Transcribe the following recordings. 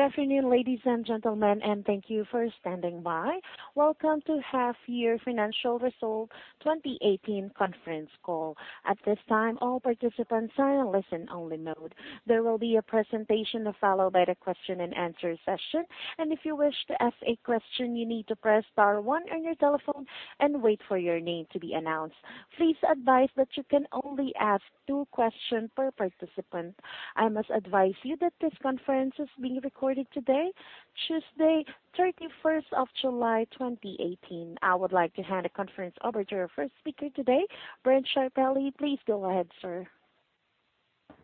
Good afternoon, ladies and gentlemen, and thank you for standing by. Welcome to half-year financial results 2018 conference call. At this time, all participants are in listen only mode. There will be a presentation followed by the question and answer session. If you wish to ask a question, you need to press star one on your telephone and wait for your name to be announced. Please advise that you can only ask two question per participant. I must advise you that this conference is being recorded today, Tuesday, 31st of July, 2018. I would like to hand the conference over to our first speaker today, Bernd Scheifele. Please go ahead, sir.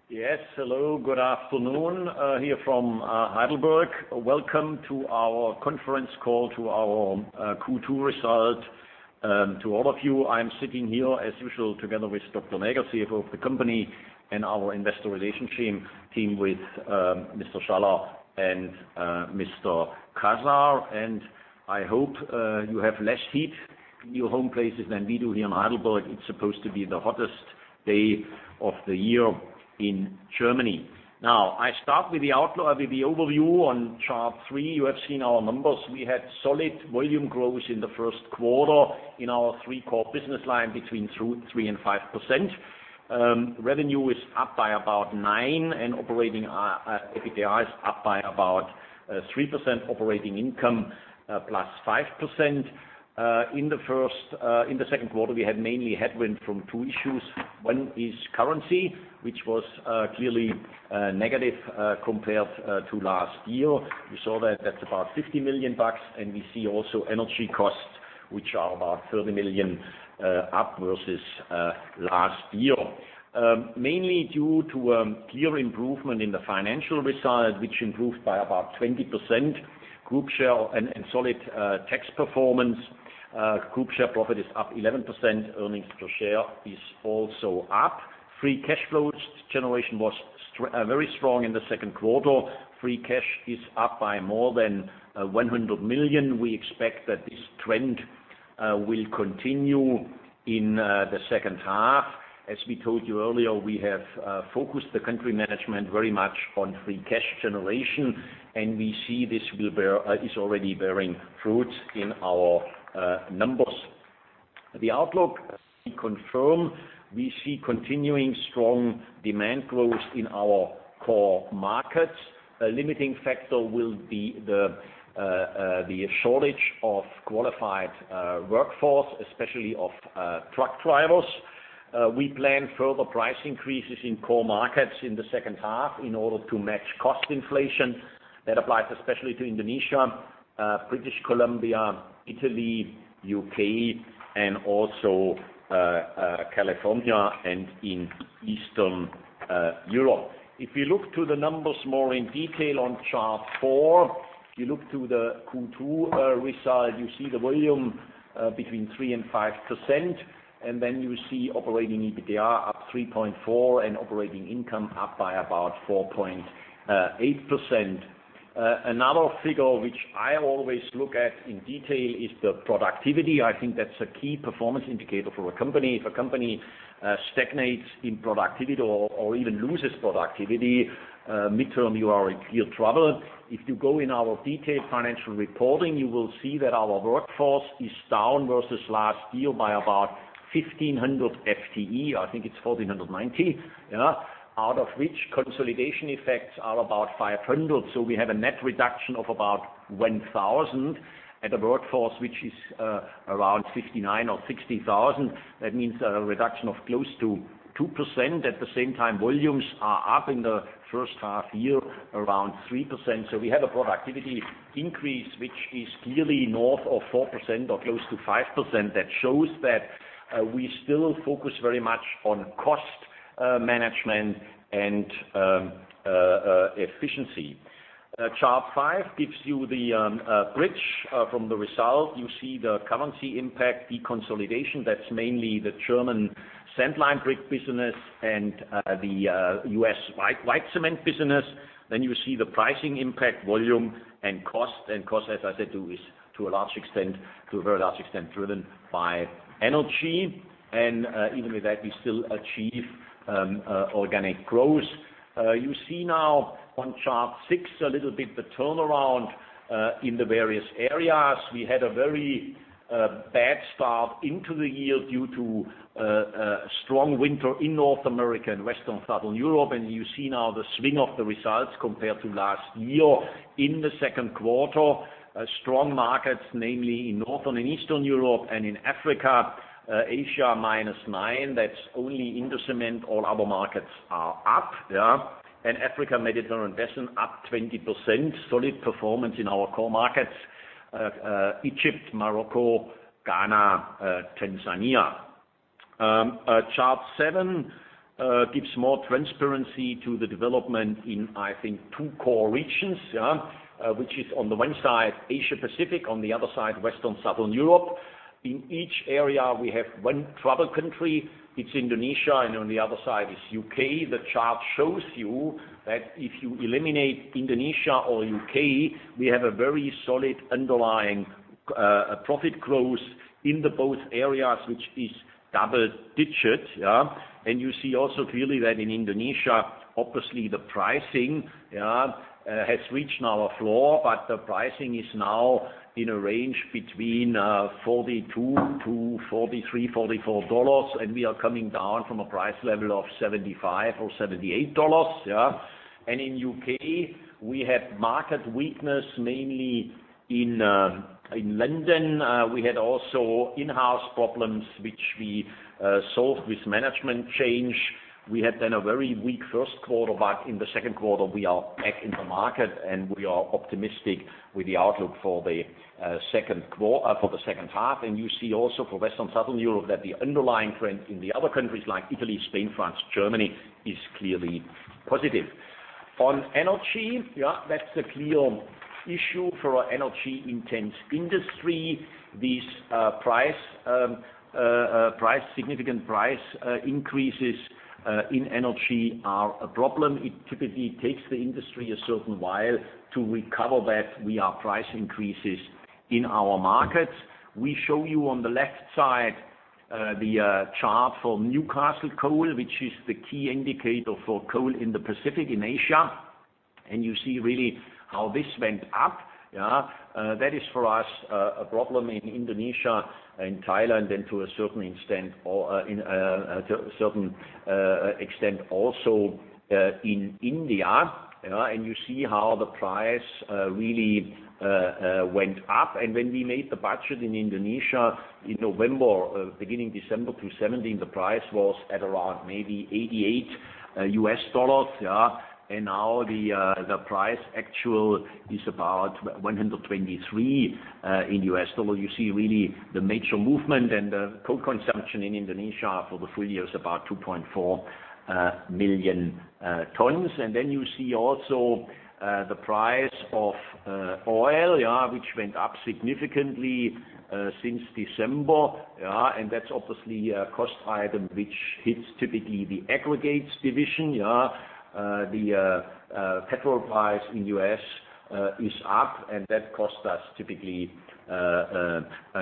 Yes. Hello. Good afternoon. Here from Heidelberg. Welcome to our conference call to our Q2 result. To all of you, I'm sitting here as usual together with Dr. Näger, CFO of the company, and our investor relation team with Mr. Schaller and Mr. Kacar. I hope you have less heat in your home places than we do here in Heidelberg. It's supposed to be the hottest day of the year in Germany. Now, I start with the outlook, with the overview on Chart three. You have seen our numbers. We had solid volume growth in the first quarter in our three core business line between 2%, 3% and 5%. Revenue is up by about nine and operating EBITDA is up by about 3%, operating income plus 5%. In the second quarter, we had mainly headwind from two issues. One is currency, which was clearly negative compared to last year. We saw that that's about $50 million, and we see also energy costs, which are about 30 million up versus last year. Mainly due to clear improvement in the financial result, which improved by about 20%. Group share and solid tax performance. Group share profit is up 11%. Earnings per share is also up. Free cash flows generation was very strong in the second quarter. Free cash is up by more than 200 million. We expect that this trend will continue in the second half. As we told you earlier, we have focused the country management very much on free cash generation, and we see this is already bearing fruit in our numbers. The outlook we confirm, we see continuing strong demand growth in our core markets. A limiting factor will be the shortage of qualified workforce, especially of truck drivers. We plan further price increases in core markets in the second half in order to match cost inflation. That applies especially to Indonesia, British Columbia, Italy, U.K., and also California and in Eastern Europe. If you look to the numbers more in detail on Chart four, if you look to the Q2 result, you see the volume between 3% and 5%, and then you see operating EBITDA up 3.4% and operating income up by about 4.8%. Another figure which I always look at in detail is the productivity. I think that's a key performance indicator for a company. If a company stagnates in productivity or even loses productivity, midterm, you are in clear trouble. If you go in our detailed financial reporting, you will see that our workforce is down versus last year by about 1,500 FTE. I think it's 1,490, out of which consolidation effects are about 500. We have a net reduction of about 1,000 at a workforce which is around 59,000 or 60,000. That means a reduction of close to 2%. At the same time, volumes are up in the first half year around 3%. We have a productivity increase, which is clearly north of 4% or close to 5%. That shows that we still focus very much on cost management and efficiency. Chart five gives you the bridge from the result. You see the currency impact, the consolidation that is mainly the German sand-lime brick business and the U.S. white cement business. You see the pricing impact volume and cost. Cost, as I said, to a very large extent, driven by energy. Even with that, we still achieve organic growth. You see now on Chart six a little bit the turnaround in the various areas. We had a very bad start into the year due to strong winter in North America and Western Southern Europe. You see now the swing of the results compared to last year in the second quarter. Strong markets, namely in Northern and Eastern Europe and in Africa. Asia, minus 9. That is only in the cement. All other markets are up. Africa, Mediterranean Basin, up 20%. Solid performance in our core markets, Egypt, Morocco, Ghana, Tanzania. Chart seven gives more transparency to the development in, I think, two core regions. Which is on the one side, Asia-Pacific, on the other side, Western Southern Europe. In each area, we have one trouble country. It is Indonesia, and on the other side is U.K. The chart shows you that if you eliminate Indonesia or U.K., we have a very solid underlying profit growth in the both areas, which is double digit. You see also clearly that in Indonesia, obviously the pricing has reached now a floor, but the pricing is now in a range between $42-$44, and we are coming down from a price level of $75 or $78. In U.K., we had market weakness, mainly in London. We had also in-house problems, which we solved with management change. We had a very weak first quarter, but in the second quarter we are back in the market and we are optimistic with the outlook for the second half. You see also for Western Southern Europe that the underlying trend in the other countries like Italy, Spain, France, Germany, is clearly positive. On energy, that is a clear issue for our energy intense industry. These significant price increases in energy are a problem. It typically takes the industry a certain while to recover that via price increases in our markets. We show you on the left side, the chart for Newcastle coal, which is the key indicator for coal in the Pacific, in Asia. You see really how this went up. That is for us, a problem in Indonesia and Thailand, and to a certain extent also, in India. You see how the price really went up. When we made the budget in Indonesia in November, beginning December 2017, the price was at around maybe $88, and now the price actual is about $123. You see really the major movement and the coal consumption in Indonesia for the full year is about 2.4 million tons. You see also the price of oil, which went up significantly since December. That's obviously a cost item which hits typically the aggregates division. The petrol price in U.S. is up, and that cost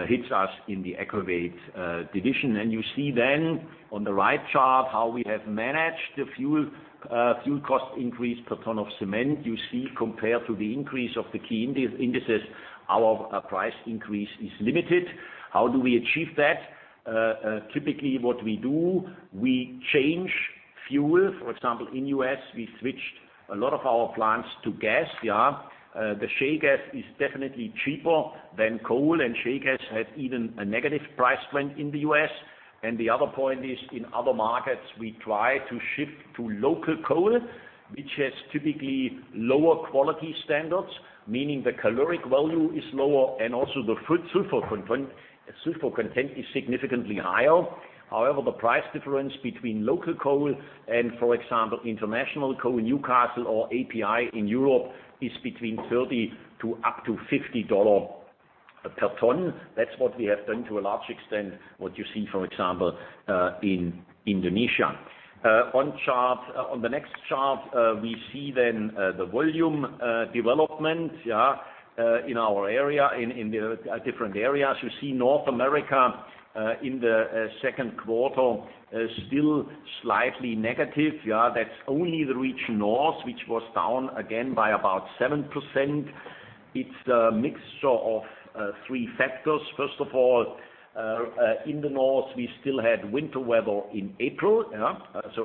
hits us in the aggregates division. You see then on the right chart how we have managed the fuel cost increase per ton of cement. You see, compared to the increase of the key indices, our price increase is limited. How do we achieve that? Typically what we do, we change fuel. For example, in U.S., we switched a lot of our plants to gas. The shale gas is definitely cheaper than coal, and shale gas had even a negative price trend in the U.S. The other point is, in other markets, we try to shift to local coal, which has typically lower quality standards, meaning the caloric value is lower and also the sulfur content is significantly higher. However, the price difference between local coal and, for example, international coal, Newcastle or API in Europe is between 30 to up to EUR 50 per ton. That's what we have done to a large extent, what you see, for example, in Indonesia. On the next chart, we see then the volume development in our different areas. You see North America, in the second quarter, still slightly negative. That's only the region north, which was down again by about 7%. It's the mixture of three factors. First of all, in the north, we still had winter weather in April.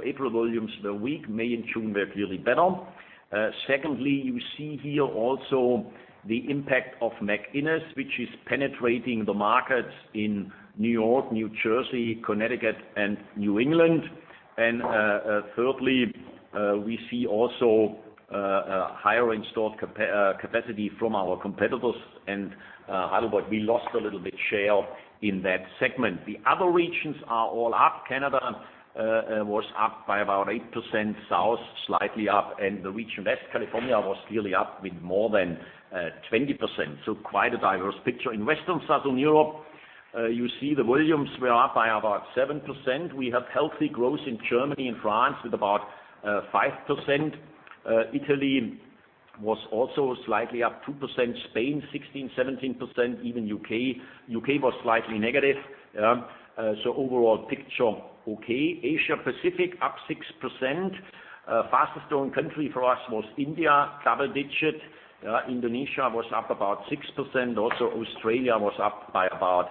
April volumes were weak, May and June were clearly better. Secondly, you see here also the impact of McInnis, which is penetrating the markets in New York, New Jersey, Connecticut and New England. Thirdly, we see also higher installed capacity from our competitors, and Heidelberg, we lost a little bit share in that segment. The other regions are all up. Canada was up by about 8%, south, slightly up, and the region West California was clearly up with more than 20%. Quite a diverse picture. In Western Southern Europe, you see the volumes were up by about 7%. We have healthy growth in Germany and France with about 5%. Italy was also slightly up 2%, Spain 16%, 17%, even U.K. was slightly negative. Overall picture okay. Asia Pacific up 6%, fastest growing country for us was India, double digit. Indonesia was up about 6%, also Australia was up by about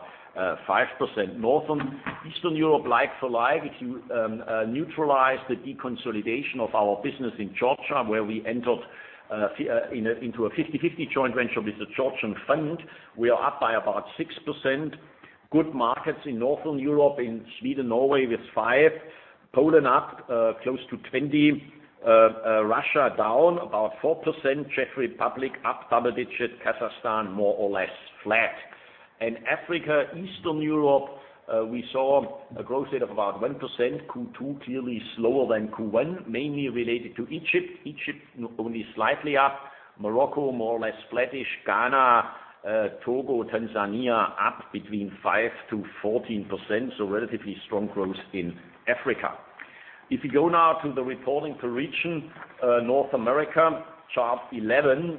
5%. Northern Eastern Europe, like for like, if you neutralize the deconsolidation of our business in Georgia, where we entered into a 50/50 joint venture with a Georgian fund, we are up by about 6%. Good markets in Northern Europe, in Sweden, Norway with 5%. Poland up close to 20%, Russia down about 4%, Czech Republic up double digit, Kazakhstan, more or less flat. Africa, Eastern Europe, we saw a growth rate of about 1%, Q2 clearly slower than Q1, mainly related to Egypt. Egypt only slightly up. Morocco, more or less flattish. Ghana, Togo, Tanzania, up between 5%-14%, so relatively strong growth in Africa. If you go now to the reporting region, North America, chart 11.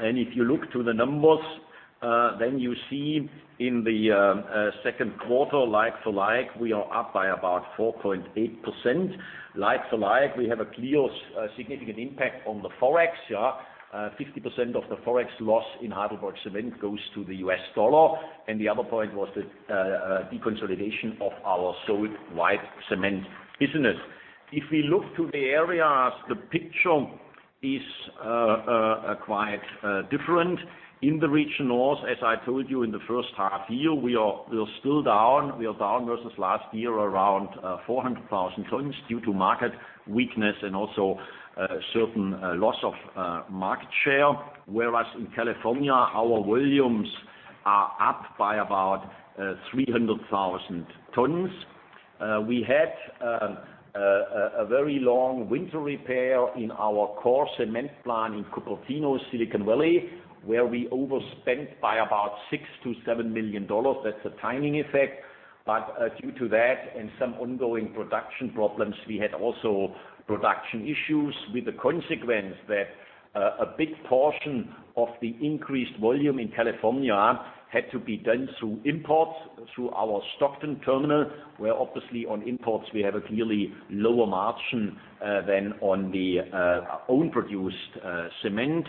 If you look to the numbers, then you see in the second quarter, like for like, we are up by about 4.8%, like for like. We have a clear significant impact on the Forex. 50% of the Forex loss in HeidelbergCement goes to the U.S. dollar. The other point was the deconsolidation of our solid white cement business. We look to the areas, the picture is quite different. In the region North, as I told you, in the first half-year, we are still down. We are down versus last year around 400,000 tons due to market weakness and also a certain loss of market share. Whereas in California, our volumes are up by about 300,000 tons. We had a very long winter repair in our core cement plant in Cupertino, Silicon Valley, where we overspent by about $6 million-$7 million. That's a timing effect. Due to that and some ongoing production problems, we had also production issues with the consequence that a big portion of the increased volume in California had to be done through imports, through our Stockton terminal, where obviously on imports, we have a clearly lower margin than on the own-produced cement.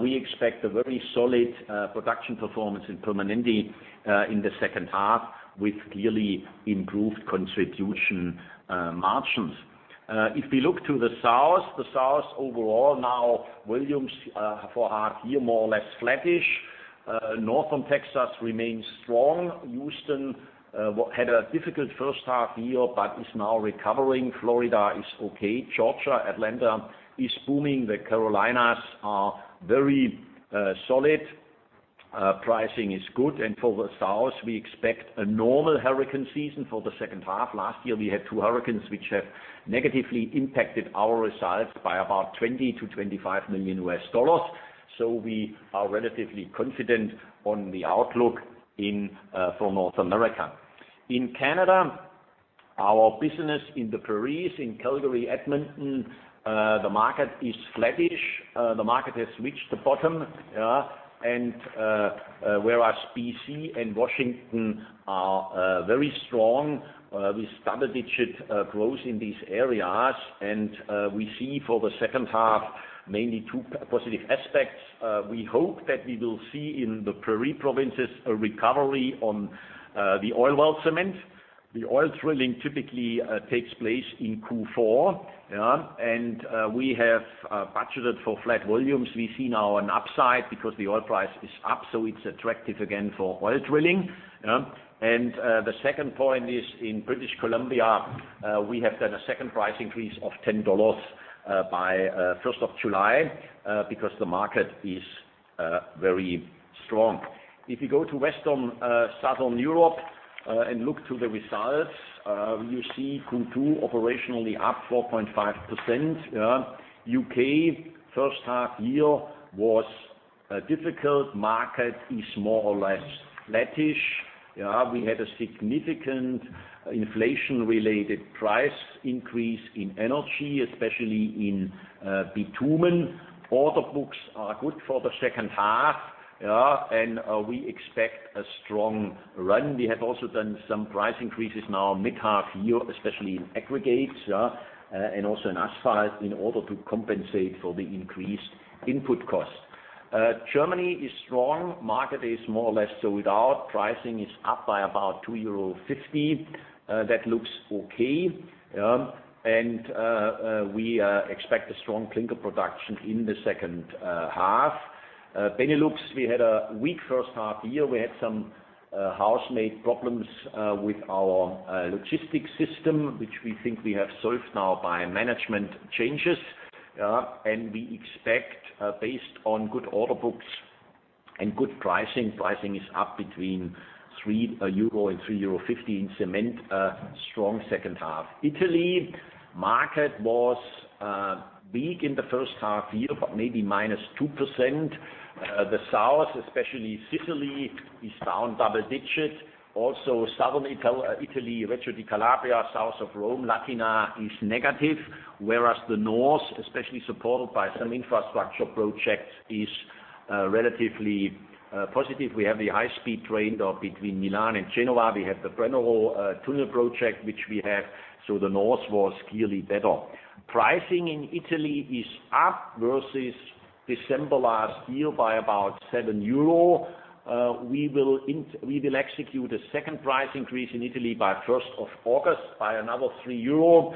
We expect a very solid production performance in Permanente in the second half with clearly improved contribution margins. We look to the South, the South overall now, volumes for half-year more or less flattish. Northern Texas remains strong. Houston had a difficult first half-year, but is now recovering. Florida is okay. Georgia, Atlanta is booming. The Carolinas are very solid. Pricing is good. For the South, we expect a normal hurricane season for the second half. Last year, we had two hurricanes, which have negatively impacted our results by about $20 million-$25 million. We are relatively confident on the outlook for North America. In Canada, our business in the Prairies, in Calgary, Edmonton, the market is flattish. The market has reached the bottom. Whereas B.C. and Washington are very strong, with double-digit growth in these areas. We see for the second half, mainly two positive aspects. We hope that we will see in the Prairie provinces a recovery on the oil well cement. The oil drilling typically takes place in Q4. We have budgeted for flat volumes. We see now an upside because the oil price is up, so it is attractive again for oil drilling. The second point is in British Columbia, we have done a second price increase of $10 by 1st of July, because the market is very strong. You go to Western, Southern Europe, and look to the results, you see Q2 operationally up 4.5%. U.K., first half-year was difficult. Market is more or less flattish. We had a significant inflation-related price increase in energy, especially in bitumen. Order books are good for the second half. We expect a strong run. We have also done some price increases now mid-half-year, especially in aggregates, also in asphalt in order to compensate for the increased input costs. Germany is strong. Market is more or less sold out. Pricing is up by about 2.50 euro. That looks okay. We expect a strong clinker production in the second half. Benelux, we had a weak first half-year. We had some homemade problems with our logistics system, which we think we have solved now by management changes. We expect, based on good order books and good pricing is up between 3 euro and 3.50 euro in cement, a strong second half. Italy, market was weak in the first half year, maybe -2%. The South, especially Sicily, is down double digits. Also, Southern Italy, Reggio di Calabria, south of Rome, Latina, is negative. The North, especially supported by some infrastructure projects, is relatively positive. We have the high-speed train between Milan and Genoa. We have the Brenner tunnel project, which we have. The North was clearly better. Pricing in Italy is up versus December last year by about 7 euro. We will execute a second price increase in Italy by 1st of August by another 3 euro,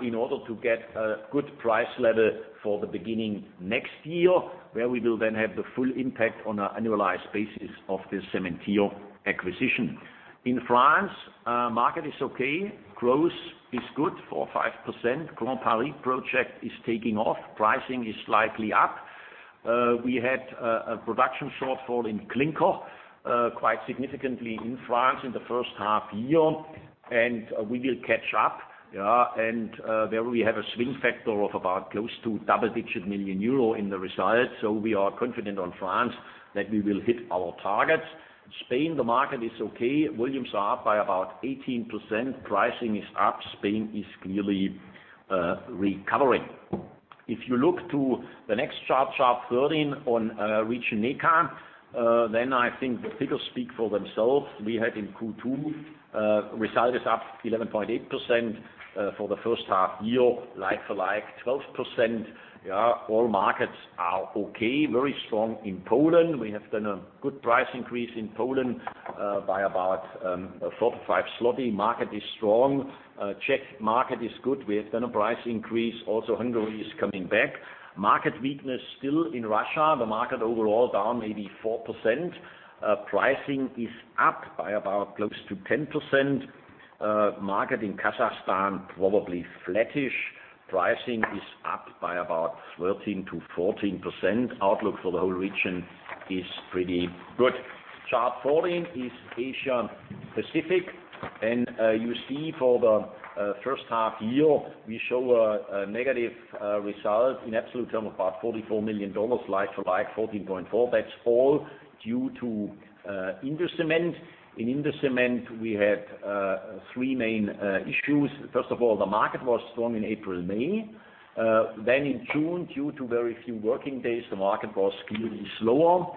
in order to get a good price level for the beginning next year, where we will then have the full impact on an annualized basis of the Cementir acquisition. In France, market is okay. Growth is good, 4%, 5%. Grand Paris project is taking off. Pricing is slightly up. We had a production shortfall in clinker, quite significantly in France in the first half year. We will catch up. There we have a swing factor of about close to double-digit million EUR in the results. We are confident on France that we will hit our targets. Spain, the market is okay. Volumes are up by about 18%. Pricing is up. Spain is clearly recovering. If you look to the next chart 13 on region ACA, then I think the figures speak for themselves. We had in Q2, results up 11.8% for the first half year, like for like 12%. All markets are okay. Very strong in Poland. We have done a good price increase in Poland by about 4 to 5 zloty. Market is strong. Czech market is good. We have done a price increase. Hungary is coming back. Market weakness still in Russia. The market overall down maybe 4%. Pricing is up by about close to 10%. Market in Kazakhstan, probably flattish. Pricing is up by about 13%-14%. Outlook for the whole region is pretty good. Chart 14 is Asia Pacific, you see for the first half year, we show a negative result in absolute terms, about EUR 44 million, like for like 14.4%. That's all due to Indocement. In Indocement, we had three main issues. First of all, the market was strong in April, May. In June, due to very few working days, the market was clearly slower.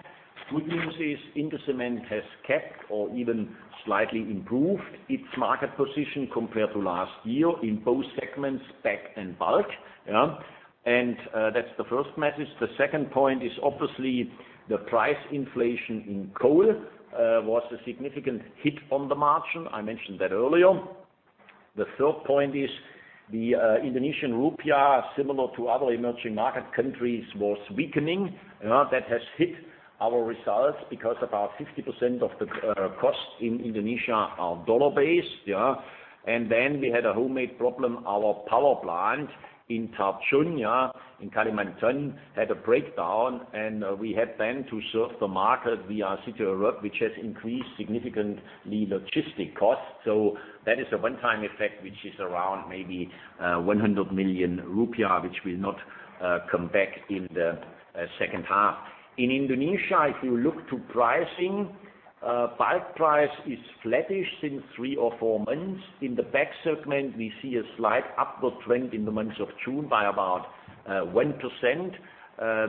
Good news is Indocement has kept or even slightly improved its market position compared to last year in both segments, bag and bulk. That's the first message. The second point is obviously the price inflation in coal was a significant hit on the margin. I mentioned that earlier. The third point is the Indonesian rupiah, similar to other emerging market countries, was weakening. That has hit our results because about 60% of the cost in Indonesia are USD-based. Then we had a homemade problem. Our power plant in Tarjun, in Kalimantan, had a breakdown, and we had then to serve the market via Citeureup, which has increased significantly logistic costs. That is a one-time effect, which is around maybe [100 million rupiah], which will not come back in the second half. In Indonesia, if you look to pricing, bulk price is flattish since 3 or 4 months. In the bag segment, we see a slight upward trend in the month of June by about 1%.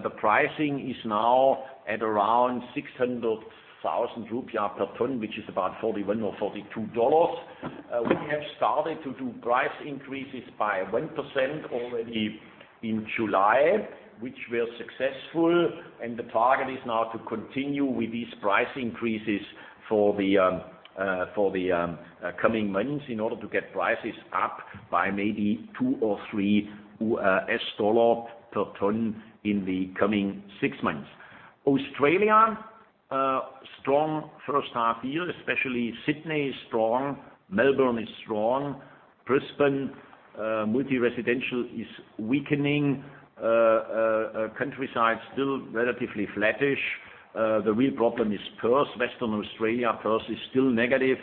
The pricing is now at around 600,000 rupiah per ton, which is about $41 or $42. We have started to do price increases by 1% already in July, which were successful, the target is now to continue with these price increases for the coming months in order to get prices up by maybe $2 or $3 per ton in the coming six months. Australia, strong first half year, especially Sydney is strong, Melbourne is strong. Brisbane, multi-residential is weakening. Countryside still relatively flattish. The real problem is Perth, Western Australia. Perth is still negative.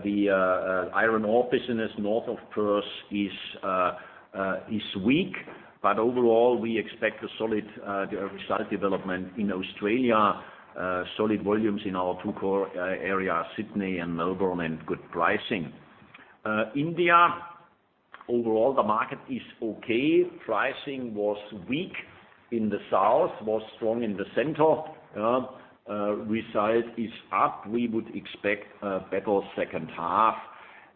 The iron ore business north of Perth is weak, overall, we expect a solid result development in Australia, solid volumes in our two core areas, Sydney and Melbourne, and good pricing. India, overall, the market is okay. Pricing was weak in the south, was strong in the center. Result is up. We would expect a better second half.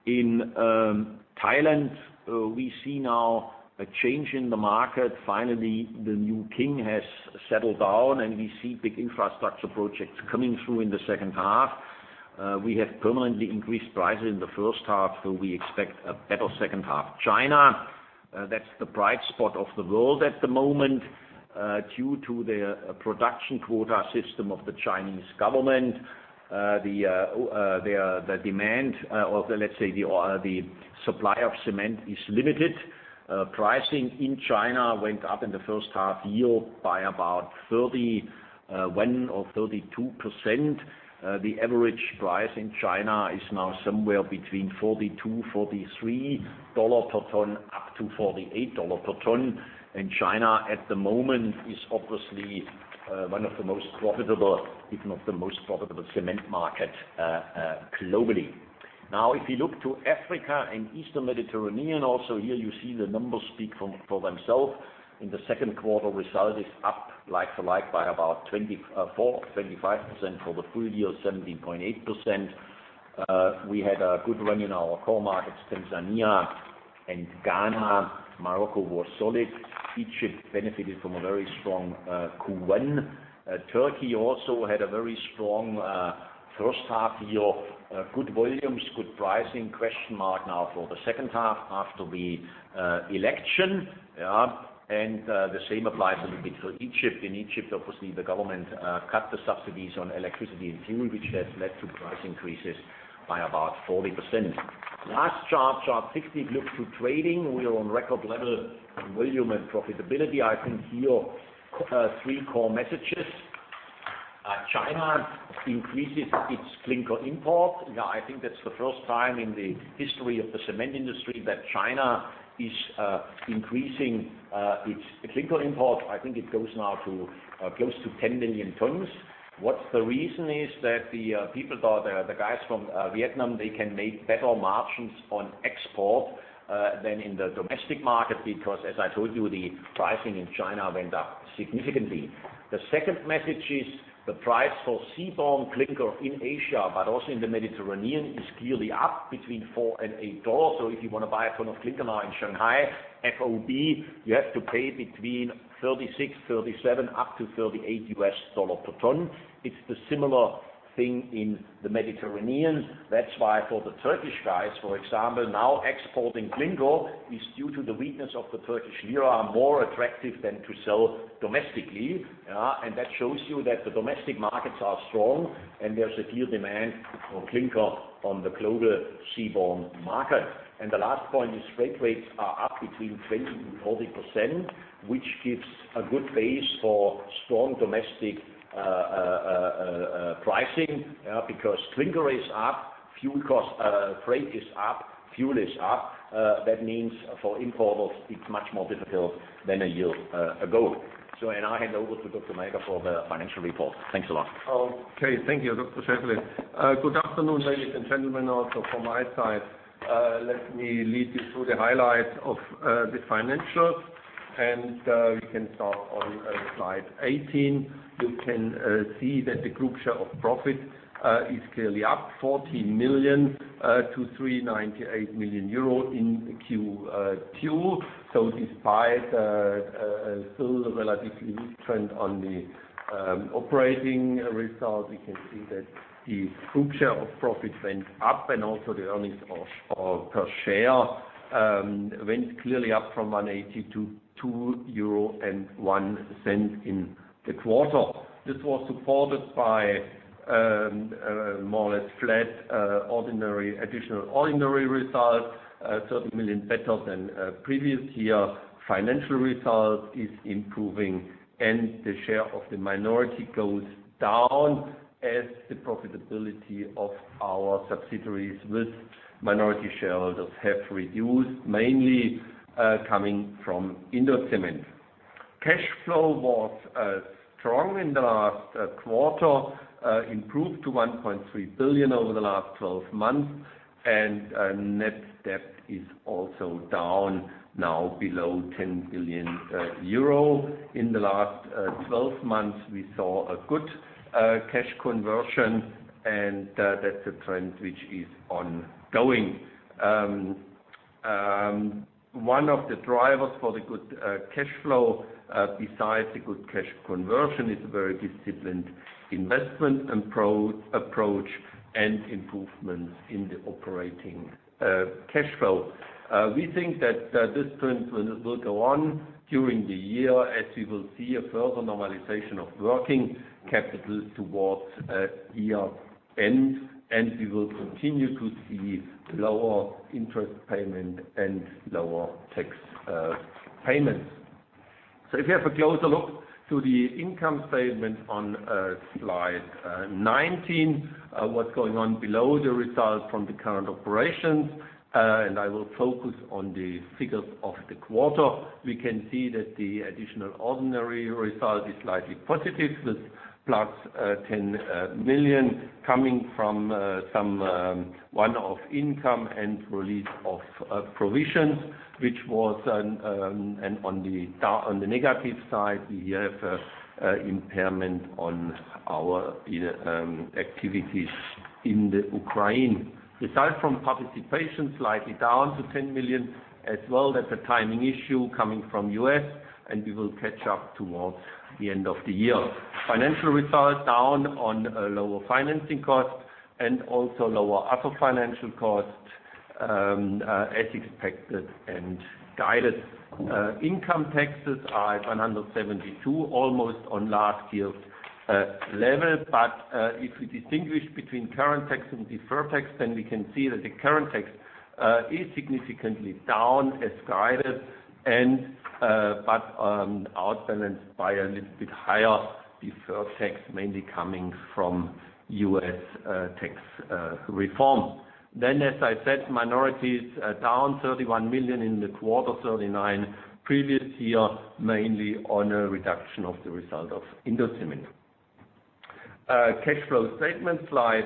Thailand, we see now a change in the market. Finally, the new king has settled down, and we see big infrastructure projects coming through in the second half. We have permanently increased prices in the first half, we expect a better second half. China, that's the bright spot of the world at the moment. Due to the production quota system of the Chinese government, the demand or, let's say, the supply of cement is limited. Pricing in China went up in the first half year by about 31% or 32%. The average price in China is now somewhere between $42, $43 per ton, up to $48 per ton. China, at the moment, is obviously one of the most profitable, if not the most profitable cement market globally. If you look to Africa and Eastern Mediterranean, here you see the numbers speak for themselves. In the second quarter, result is up like for like by about 24%, 25%, for the full year, 17.8%. We had a good run in our core markets, Tanzania and Ghana. Morocco was solid. Egypt benefited from a very strong Q1. Turkey also had a very strong first half year. Good volumes, good pricing. Question mark now for the second half after the election. The same applies a little bit for Egypt. Egypt, obviously, the government cut the subsidies on electricity and fuel, which has led to price increases by about 40%. Last chart 16, looks to trading. We are on record level on volume and profitability. I think here, three core messages. China increases its clinker import. I think that's the first time in the history of the cement industry that China is increasing its clinker import. I think it goes now to close to 10 million tons. What the reason is that the people thought the guys from Vietnam, they can make better margins on export than in the domestic market because, as I told you, the pricing in China went up significantly. The second message is the price for seaborne clinker in Asia, but also in the Mediterranean, is clearly up between $4 and $8. If you want to buy a ton of clinker now in Shanghai, FOB, you have to pay between $36, $37, up to $38 per ton. It's the similar thing in the Mediterranean. That's why for the Turkish guys, for example, now exporting clinker is, due to the weakness of the Turkish lira, more attractive than to sell domestically. That shows you that the domestic markets are strong, and there's a clear demand for clinker on the global seaborne market. The last point is freight rates are up between 20%-40%, which gives a good base for strong domestic pricing, because clinker is up. Fuel cost freight is up, fuel is up. That means for importers, it's much more difficult than a year ago. I hand over to Dr. Näger for the financial report. Thanks a lot. Okay. Thank you, Dr. Scheifele. Good afternoon, ladies and gentlemen. Also from my side, let me lead you through the highlights of the financials. We can start on slide nineteen. You can see that the group share of profit is clearly up 14 million to 398 million euro in Q2. Despite a still relatively weak trend on the operating result, we can see that the group share of profit went up and also the earnings per share went clearly up from 1.80 to 2.01 euro in the quarter. This was supported by more or less flat ordinary additional results, EUR 13 million better than previous year. Financial result is improving and the share of the minority goes down as the profitability of our subsidiaries with minority shareholders have reduced, mainly coming from Indocement. Cash flow was strong in the last quarter, improved to 1.3 billion over the last 12 months. Net debt is also down, now below 10 billion euro. In the last 12 months, we saw a good cash conversion. That's a trend which is ongoing. One of the drivers for the good cash flow, besides the good cash conversion, is a very disciplined investment approach and improvements in the operating cash flow. We think that this trend will go on during the year as we will see a further normalization of working capital towards year end. We will continue to see lower interest payment and lower tax payments. If you have a closer look to the income statement on slide nineteen, what's going on below the result from the current operations, I will focus on the figures of the quarter. We can see that the additional ordinary result is slightly positive with plus 10 million coming from some one-off income and release of provisions, which was on the negative side, we have impairment on our activities in the Ukraine. Aside from participation slightly down to 10 million as well, that's a timing issue coming from U.S. We will catch up towards the end of the year. Financial result down on lower financing costs and also lower other financial costs, as expected and guided. Income taxes are at 172, almost on last year's level. If we distinguish between current tax and deferred tax, we can see that the current tax is significantly down as guided, but outbalanced by a little bit higher deferred tax, mainly coming from U.S. tax reform. As I said, minorities down 31 million in the quarter, 39 million previous year, mainly on a reduction of the result of Indocement. Cash flow statement, slide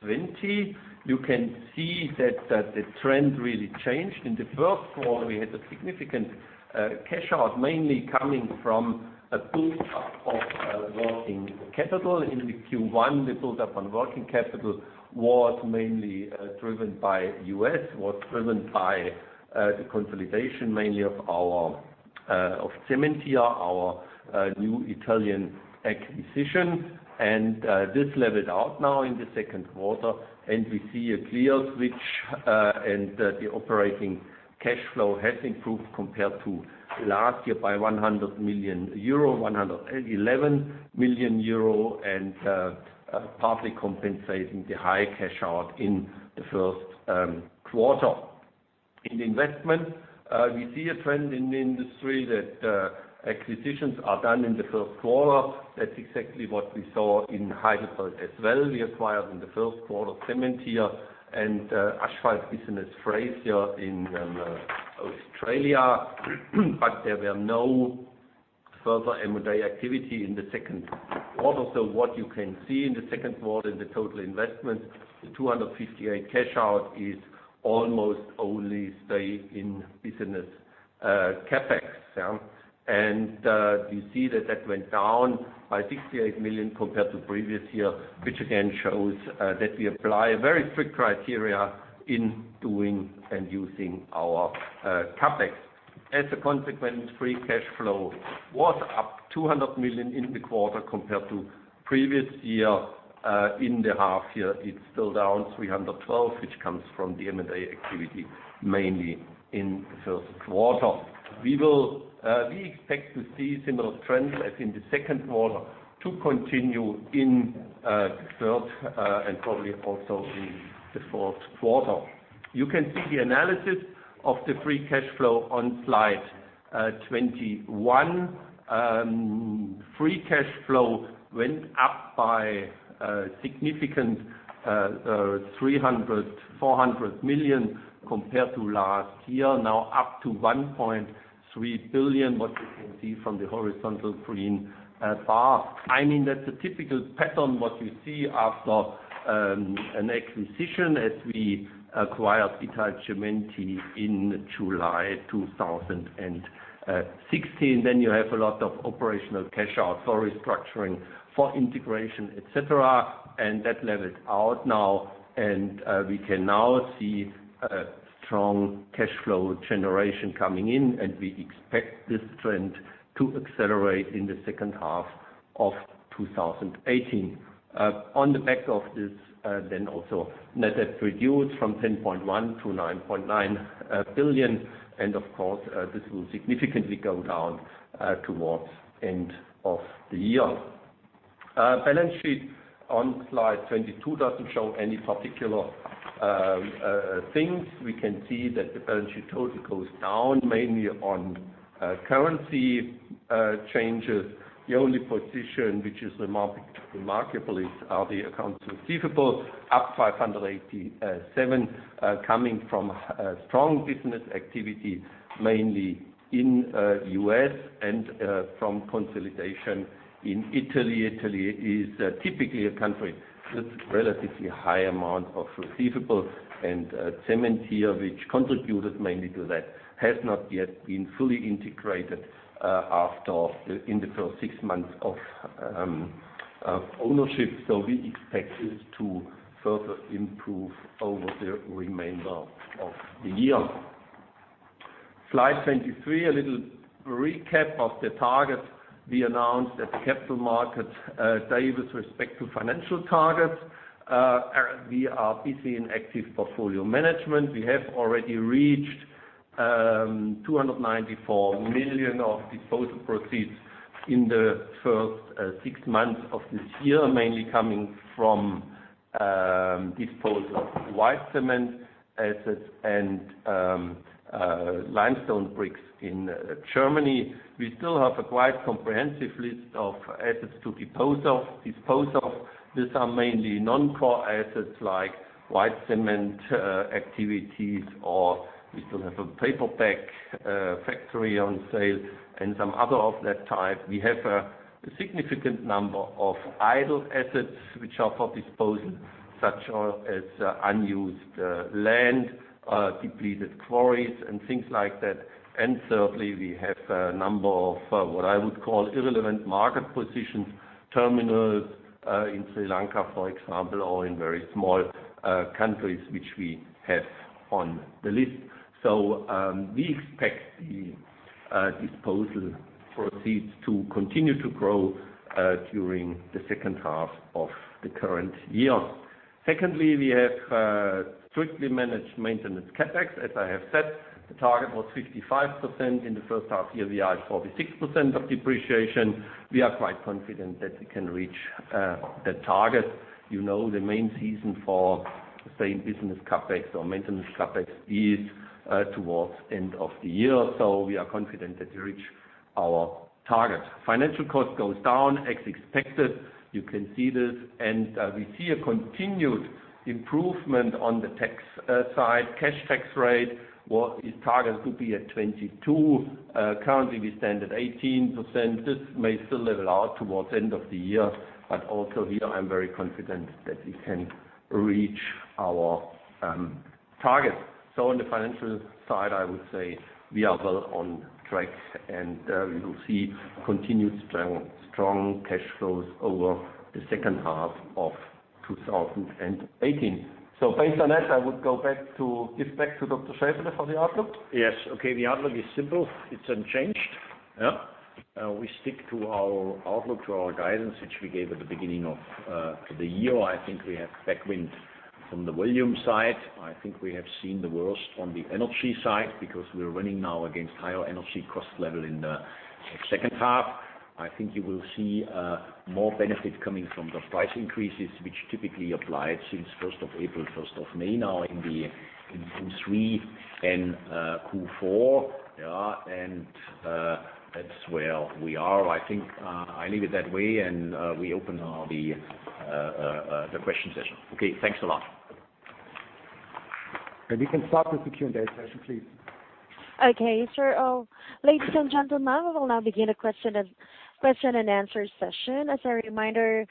20. You can see that the trend really changed. In the first quarter, we had a significant cash out, mainly coming from a build-up of working capital. In the Q1, the build-up on working capital was mainly driven by U.S., was driven by the consolidation mainly of Cementir, our new Italian acquisition. This leveled out now in the second quarter and we see a clear switch, and the operating cash flow has improved compared to last year by 100 million euro, 111 million euro and partly compensating the high cash out in the first quarter. In investment, we see a trend in the industry that acquisitions are done in the first quarter. That's exactly what we saw in Heidelberg as well. We acquired in the first quarter, Cementir and asphalt business Alex Fraser in Australia. There were no further M&A activity in the second quarter. What you can see in the second quarter in the total investment, the 258 million cash out is almost only stay in business CapEx. You see that that went down by 68 million compared to previous year, which again shows that we apply a very strict criteria in doing and using our CapEx. As a consequence, free cash flow was up 200 million in the quarter compared to previous year. In the half year, it's still down 312 million, which comes from the M&A activity, mainly in the first quarter. We expect to see similar trends as in the second quarter to continue in the third and probably also in the fourth quarter. You can see the analysis of the free cash flow on slide 21. Free cash flow went up by a significant 300 million-400 million compared to last year, now up to 1.3 billion, what you can see from the horizontal green bar. That's a typical pattern, what you see after an acquisition, as we acquired Italcementi in July 2016. You have a lot of operational cash out for restructuring, for integration, et cetera, and that leveled out now, and we can now see a strong cash flow generation coming in, and we expect this trend to accelerate in the second half of 2018. On the back of this, net debt reduced from 10.1 billion to 9.9 billion, and of course, this will significantly go down towards end of the year. Balance sheet on slide 22 doesn't show any particular things. We can see that the balance sheet total goes down mainly on currency changes. The only position which is remarkable is the accounts receivable, up 587 million, coming from strong business activity, mainly in U.S. and from consolidation in Italy. Italy is typically a country with relatively high amount of receivables, and Cementir, which contributed mainly to that, has not yet been fully integrated in the first six months of ownership. We expect this to further improve over the remainder of the year. Slide 23, a little recap of the targets we announced at the capital markets day with respect to financial targets. We are busy in active portfolio management. We have already reached 294 million of disposal proceeds in the first six months of this year, mainly coming from disposal of white cement assets and limestone bricks in Germany. We still have a quite comprehensive list of assets to dispose of. These are mainly non-core assets, like white cement activities, or we still have a paper pack factory on sale and some other of that type. We have a significant number of idle assets which are for disposal, such as unused land, depleted quarries, and things like that. Thirdly, we have a number of what I would call irrelevant market positions, terminals in Sri Lanka, for example, or in very small countries which we have on the list. We expect the disposal proceeds to continue to grow during the second half of the current year. Secondly, we have strictly managed maintenance CapEx. As I have said, the target was 55% in the first half year. We are at 46% of depreciation. We are quite confident that we can reach that target. You know, the main season for the same business CapEx or maintenance CapEx is towards end of the year. We are confident that we reach our target. Financial cost goes down as expected. You can see this. We see a continued improvement on the tax side. Cash tax rate, its target could be at 22. Currently, we stand at 18%. This may still level out towards end of the year, also here, I'm very confident that we can reach our target. On the financial side, I would say we are well on track, and you will see continued strong cash flows over the second half of 2018. Based on that, I would give back to Dr. Scheifele for the outlook. Yes. Okay. The outlook is simple. It's unchanged. Yeah. We stick to our outlook, to our guidance, which we gave at the beginning of the year. I think we have backwind from the volume side. I think we have seen the worst on the energy side because we're running now against higher energy cost level in the second half. I think you will see more benefit coming from the price increases, which typically applied since 1st of April, 1st of May, now in Q3 and Q4. That's where we are. I think I leave it that way. We open now the question session. Okay, thanks a lot. We can start with the Q&A session, please. Okay, sure. Ladies and gentlemen, we will now begin a question and answer session. As a reminder,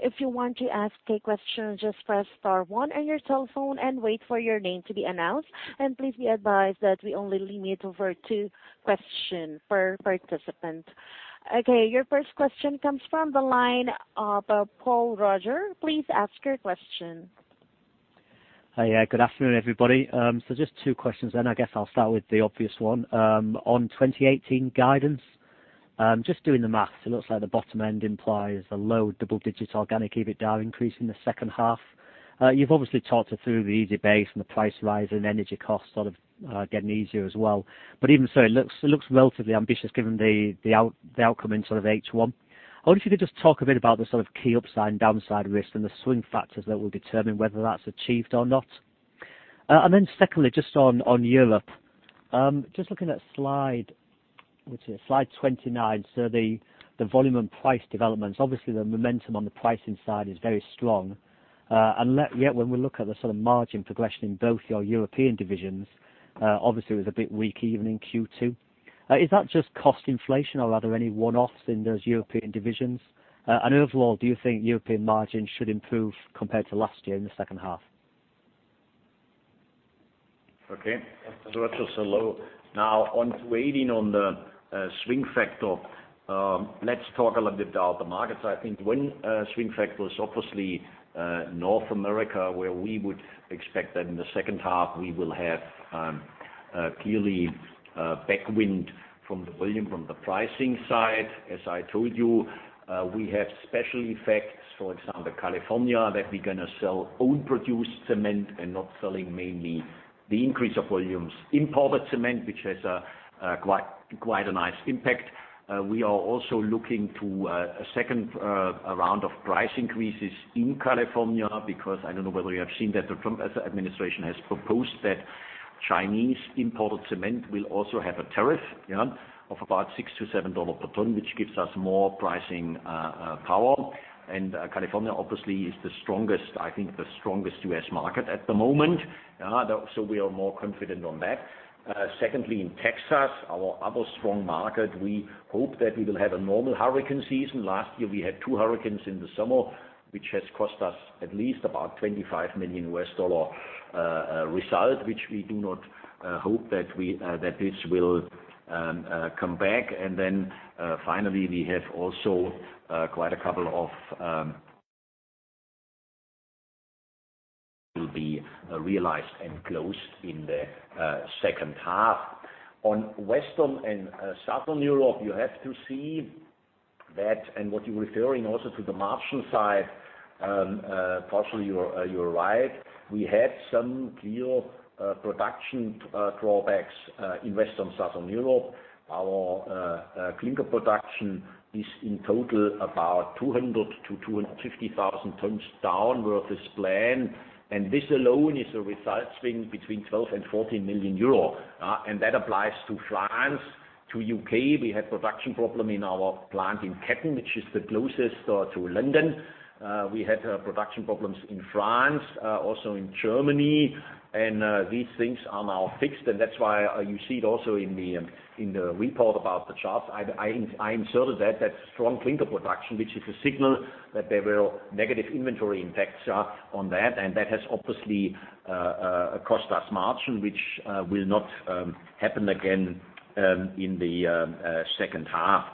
if you want to ask a question, just press star one on your cell phone and wait for your name to be announced. Please be advised that we only limit over two questions per participant. Okay, your first question comes from the line of Paul Roger. Please ask your question. Hi. Yeah, good afternoon, everybody. Just two questions then. I guess I'll start with the obvious one. On 2018 guidance, just doing the math, it looks like the bottom end implies a low double-digit organic EBITDA increase in the second half. You've obviously talked us through the easy base and the price rise and energy costs getting easier as well. Even so, it looks relatively ambitious given the outcome in H1. I wonder if you could just talk a bit about the key upside and downside risk and the swing factors that will determine whether that's achieved or not? Then secondly, just on Europe, just looking at slide 29, the volume and price developments. Obviously, the momentum on the pricing side is very strong. Yet when we look at the sort of margin progression in both your European divisions, obviously it was a bit weak even in Q2. Is that just cost inflation, or are there any one-offs in those European divisions? Overall, do you think European margins should improve compared to last year in the second half? Okay. Richard, now on waiting on the swing factor. Let's talk a little bit about the markets. I think one swing factor is obviously North America, where we would expect that in the second half we will have clearly backwind from the volume from the pricing side. As I told you, we have special effects, for example, California, that we're going to sell own produced cement and not selling mainly the increase of volumes imported cement, which has quite a nice impact. We are also looking to a second round of price increases in California because I don't know whether you have seen that the Trump administration has proposed that Chinese imported cement will also have a tariff of about $6-$7 per ton, which gives us more pricing power. California obviously is the strongest U.S. market at the moment. We are more confident on that. Secondly, in Texas, our other strong market, we hope that we will have a normal hurricane season. Last year we had two hurricanes in the summer, which has cost us at least about $25 million U.S. dollar result, which we do not hope that this will come back. Finally, we have also will be realized and closed in the second half. Western and Southern Europe, you have to see that, and what you're referring also to the margin side, partially you are right. We had some clear production drawbacks in Western, Southern Europe. Our clinker production is in total about 200,000 to 250,000 tons down versus plan. This alone is a result swing between 12 million and 14 million euro. That applies to France, to U.K. We had production problem in our plant in Ketton, which is the closest to London. We had production problems in France, also in Germany. These things are now fixed, and that's why you see it also in the report about the charts. I inserted that strong clinker production, which is a signal that there were negative inventory impacts on that. That has obviously cost us margin, which will not happen again in the second half.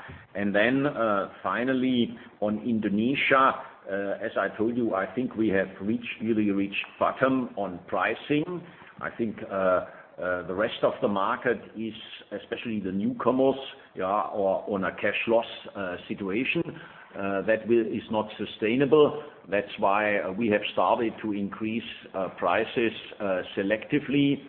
Finally on Indonesia, as I told you, I think we have really reached bottom on pricing. I think the rest of the market is, especially the newcomers are on a cash loss situation that is not sustainable. That's why we have started to increase prices selectively.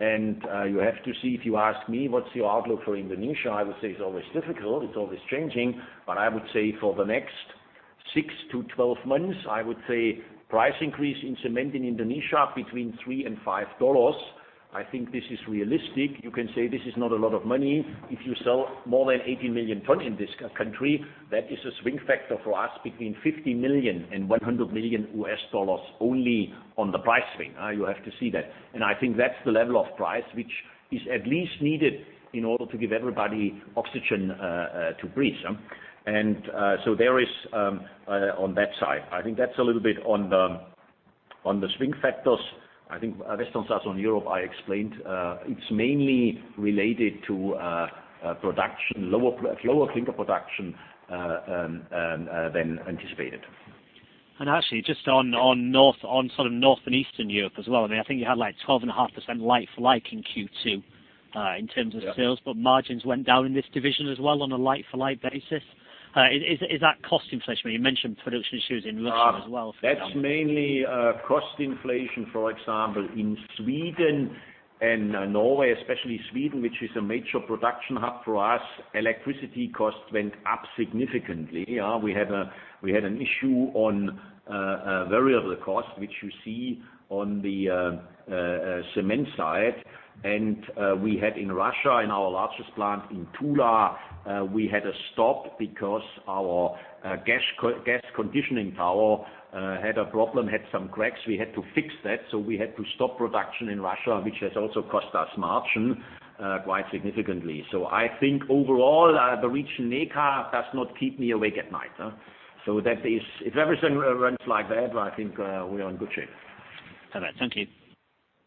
You have to see, if you ask me, what's your outlook for Indonesia? I would say it's always difficult. It's always changing. I would say for the next 6 to 12 months, I would say price increase in cement in Indonesia between $3 and $5. I think this is realistic. You can say this is not a lot of money. If you sell more than 80 million tons in this country, that is a swing factor for us between $50 million-$100 million U.S. dollars only on the price swing. You have to see that. I think that's the level of price which is at least needed in order to give everybody oxygen to breathe. There is on that side. I think that's a little bit on the swing factors. I think Western, Southern Europe, I explained, it's mainly related to lower clinker production than anticipated. Actually just on sort of Northern and Eastern Europe as well. I think you had like 12.5% like-for-like in Q2, in terms of sales, margins went down in this division as well on a like-for-like basis. Is that cost inflation? You mentioned production issues in Russia as well. That's mainly cost inflation, for example, in Sweden and Norway, especially Sweden, which is a major production hub for us, electricity costs went up significantly. We had an issue on variable cost, which you see on the cement side. We had in Russia, in our largest plant in Tula, we had a stop because our gas conditioning tower had a problem, had some cracks. We had to fix that, we had to stop production in Russia, which has also cost us margin quite significantly. I think overall, the region NEK does not keep me awake at night. If everything runs like that, I think we're in good shape. All right. Thank you.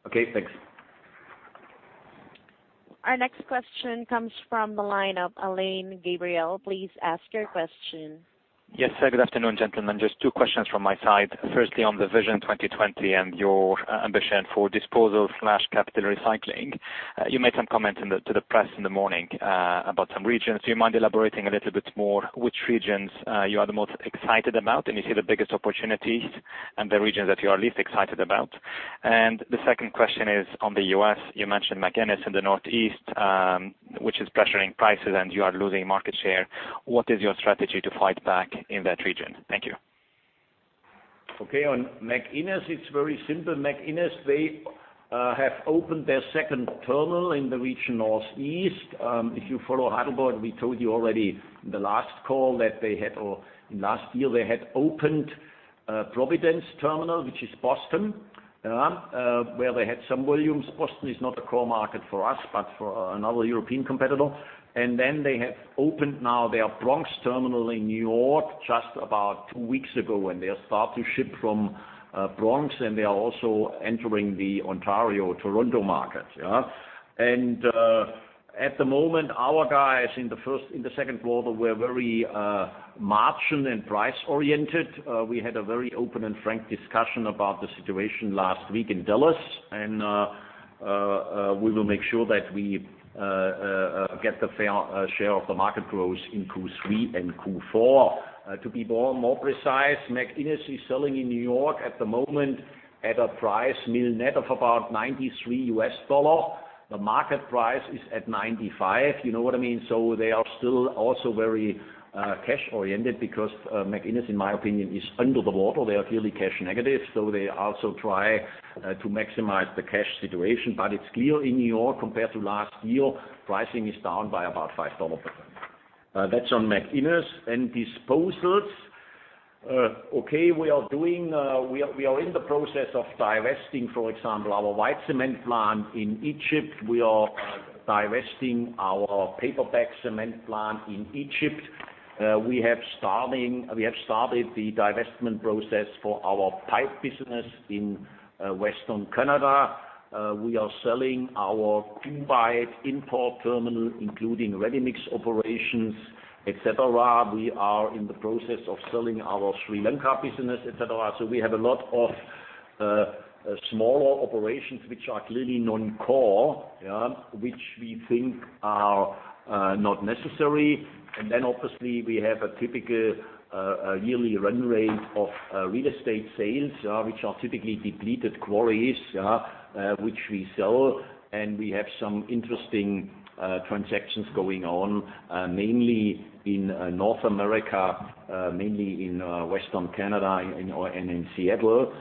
Okay, thanks. Our next question comes from the line of Alain Gabriel. Please ask your question. Yes, good afternoon, gentlemen. Just two questions from my side. Firstly, on the Vision 2020 and your ambition for disposal/capital recycling. You made some comments to the press in the morning about some regions. Do you mind elaborating a little bit more which regions you are the most excited about, and you see the biggest opportunities and the regions that you are least excited about? The second question is on the U.S., you mentioned McInnis in the Northeast, which is pressuring prices and you are losing market share. What is your strategy to fight back in that region? Thank you. Okay. On McInnis, it's very simple. McInnis, they have opened their second terminal in the region Northeast. If you follow Heidelberg, we told you already in the last call, or last year, they had opened Providence Terminal, which is Boston, where they had some volumes. Boston is not a core market for us, but for another European competitor. Then they have opened now their Bronx terminal in New York just about two weeks ago, and they are starting to ship from Bronx, and they are also entering the Ontario, Toronto market. At the moment, our guys in the second quarter were very marginal and price-oriented. We had a very open and frank discussion about the situation last week in Dallas, and we will make sure that we get the fair share of the market growth in Q3 and Q4. To be more precise, McInnis is selling in New York at the moment at a price mill net of about $93. The market price is at $95, you know what I mean? They are still also very cash-oriented because McInnis, in my opinion, is under the water. They are clearly cash negative. They also try to maximize the cash situation. It's clear in New York, compared to last year, pricing is down by about 5%. That's on McInnis. Disposals. Okay. We are in the process of divesting, for example, our white cement plant in Egypt. We are divesting our paper bag cement plant in Egypt. We have started the divestment process for our pipe business in Western Canada. We are selling our Dubai import terminal, including ready-mix operations, et cetera. We are in the process of selling our Sri Lanka business, et cetera. We have a lot of smaller operations which are clearly non-core, which we think are not necessary. Then obviously, we have a typical yearly run rate of real estate sales, which are typically depleted quarries, which we sell. We have some interesting transactions going on, mainly in North America, mainly in Western Canada and in Seattle,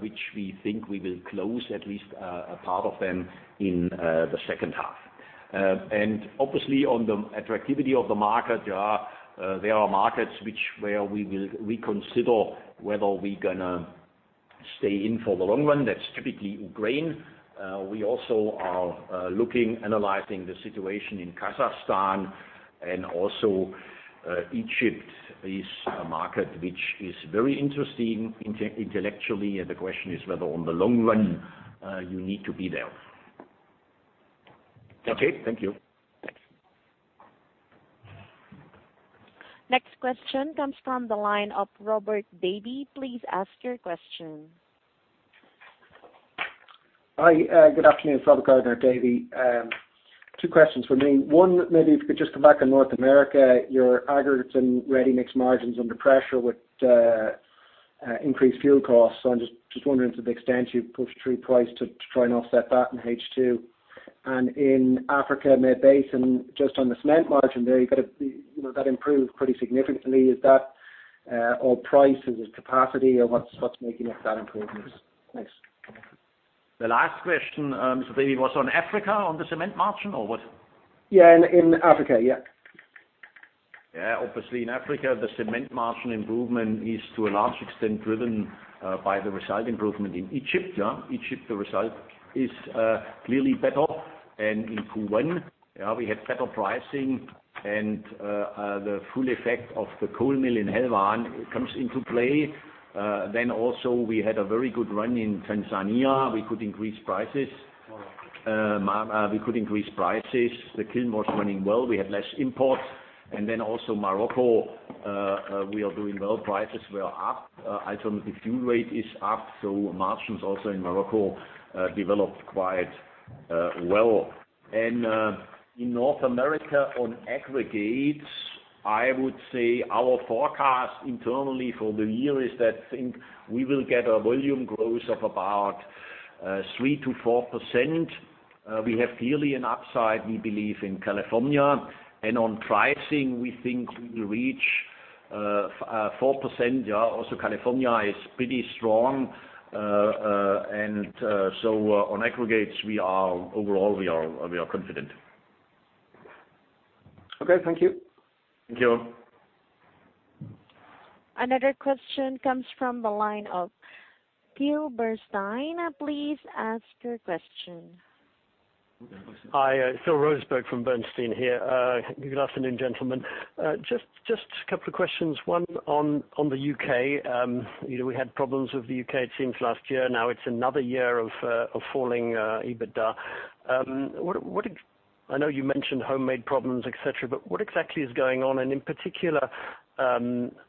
which we think we will close at least a part of them in the second half. Obviously, on the attractivity of the market, there are markets where we will reconsider whether we're going to stay in for the long run. That's typically Ukraine. We also are looking, analyzing the situation in Kazakhstan and also Egypt is a market which is very interesting intellectually, and the question is whether in the long run, you need to be there. Okay. Thank you. Next question comes from the line of Robert Gardiner. Please ask your question. Hi, good afternoon. It's Robert Gardiner. Two questions from me. One, maybe if you could just come back on North America, your aggregates and ready-mix margins under pressure with increased fuel costs. I'm just wondering to the extent you've pushed through price to try and offset that in H2. In Africa and Middle East, and just on the cement margin there, that improved pretty significantly. Is that all price? Is it capacity, or what's making up that improvement? Thanks. The last question, Mr. Davy, was on Africa on the cement margin, or what? Yeah, in Africa. Yeah. Obviously in Africa, the cement margin improvement is to a large extent driven by the result improvement in Egypt. In Q1, we had better pricing and the full effect of the coal mill in Helwan comes into play. Also we had a very good run in Tanzania. We could increase prices. The kiln was running well. We had less imports. Also Morocco, we are doing well. Prices were up. Alternative fuel rate is up, so margins also in Morocco developed quite well. In North America on aggregates, I would say our forecast internally for the year is that I think we will get a volume growth of about 3%-4%. We have clearly an upside we believe in California, and on pricing, we think we will reach 4%. Also, California is pretty strong. On aggregates, overall, we are confident. Okay. Thank you. Thank you. Another question comes from the line of Phil Rosenberg. Please ask your question. Hi, Phil Rosenberg from Bernstein here. Good afternoon, gentlemen. Just a couple of questions. One on the U.K. We had problems with the U.K. it seems last year. Now it's another year of falling EBITDA. I know you mentioned homemade problems, et cetera, but what exactly is going on, and in particular,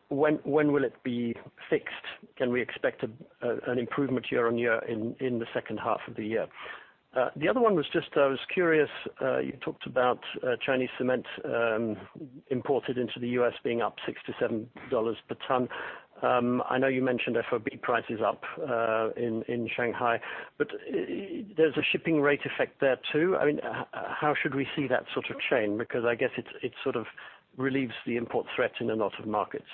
when will it be fixed? Can we expect an improvement year-over-year in the second half of the year? The other one was just, I was curious, you talked about Chinese cement imported into the U.S. being up $67 per ton. I know you mentioned FOB prices up in Shanghai, but there's a shipping rate effect there, too. How should we see that sort of chain? Because I guess it sort of relieves the import threat in a lot of markets.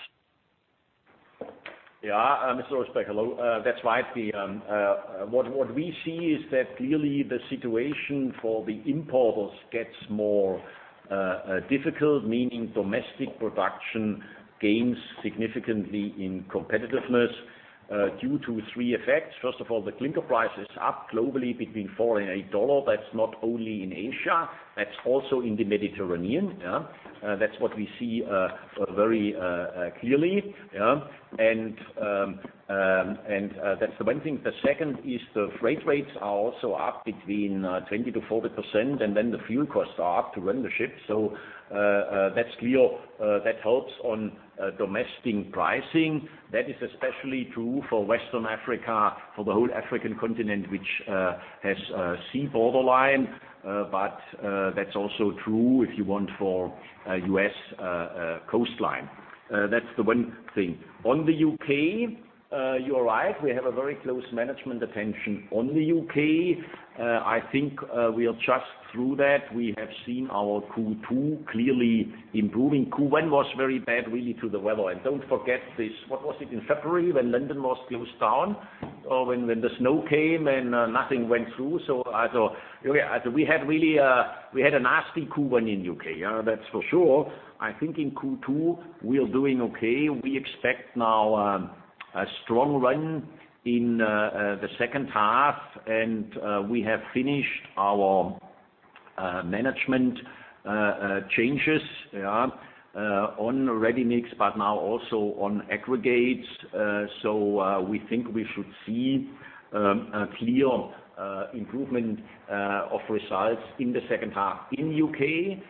Yeah. Mr. Rosenberg, hello. That's right. What we see is that clearly the situation for the importers gets more difficult, meaning domestic production gains significantly in competitiveness due to three effects. First of all, the clinker price is up globally between $4 and $8. That's not only in Asia, that's also in the Mediterranean. That's what we see very clearly. That's the one thing. The second is the freight rates are also up between 20%-40%. The fuel costs are up to run the ship. That's clear. That helps on domestic pricing. That is especially true for Western Africa, for the whole African continent, which has a sea borderline. That's also true, if you want, for U.S. coastline. That's the one thing. On the U.K., you're right, we have a very close management attention on the U.K. I think we are just through that. We have seen our Q2 clearly improving. Q1 was very bad really to the weather. Don't forget this, what was it, in February when London was closed down, or when the snow came and nothing went through. We had a nasty Q1 in U.K., that's for sure. I think in Q2 we're doing okay. We expect now a strong run in the second half and we have finished our management changes on ready-mix, but now also on aggregates. We think we should see a clear improvement of results in the second half in U.K.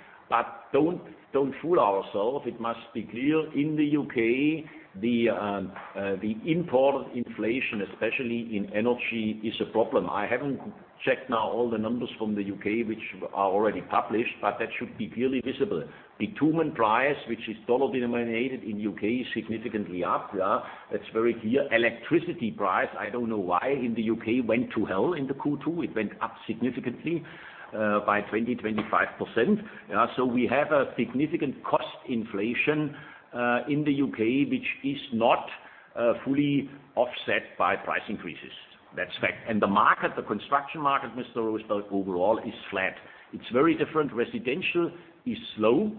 Don't fool ourselves, it must be clear, in the U.K., the import inflation, especially in energy, is a problem. I haven't checked now all the numbers from the U.K. which are already published, but that should be clearly visible. Bitumen price, which is dollar-denominated in U.K., is significantly up. That's very clear. Electricity price, I don't know why, in the U.K. went to hell in the Q2. It went up significantly, by 20%-25%. We have a significant cost inflation in the U.K., which is not fully offset by price increases. That's fact. The market, the construction market, Mr. Rosenberg, overall is flat. It's very different. Residential is slow.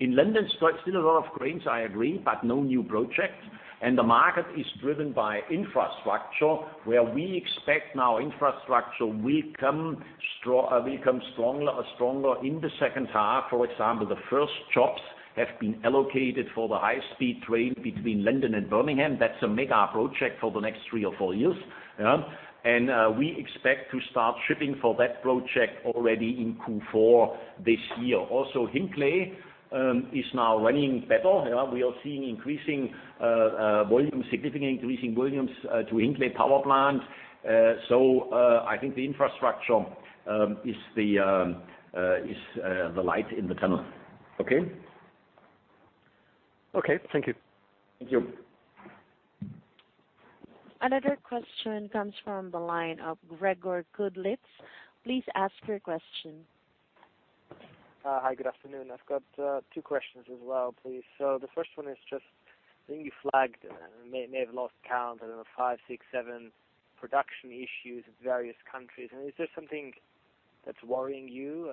In London, still a lot of cranes, I agree, but no new projects. The market is driven by infrastructure, where we expect now infrastructure will come stronger in the second half. For example, the first chops have been allocated for the high-speed train between London and Birmingham. That's a mega project for the next three or four years. We expect to start shipping for that project already in Q4 this year. Also, Hinkley is now running better. We are seeing significant increasing volumes to Hinkley power plant. I think the infrastructure is the light in the tunnel. Okay? Okay. Thank you. Thank you. Another question comes from the line of Gregor Kuglitsch. Please ask your question. Hi, good afternoon. I've got two questions as well, please. The first one is just, I think you flagged, may have lost count, I don't know, five, six, seven production issues in various countries. Is this something that's worrying you,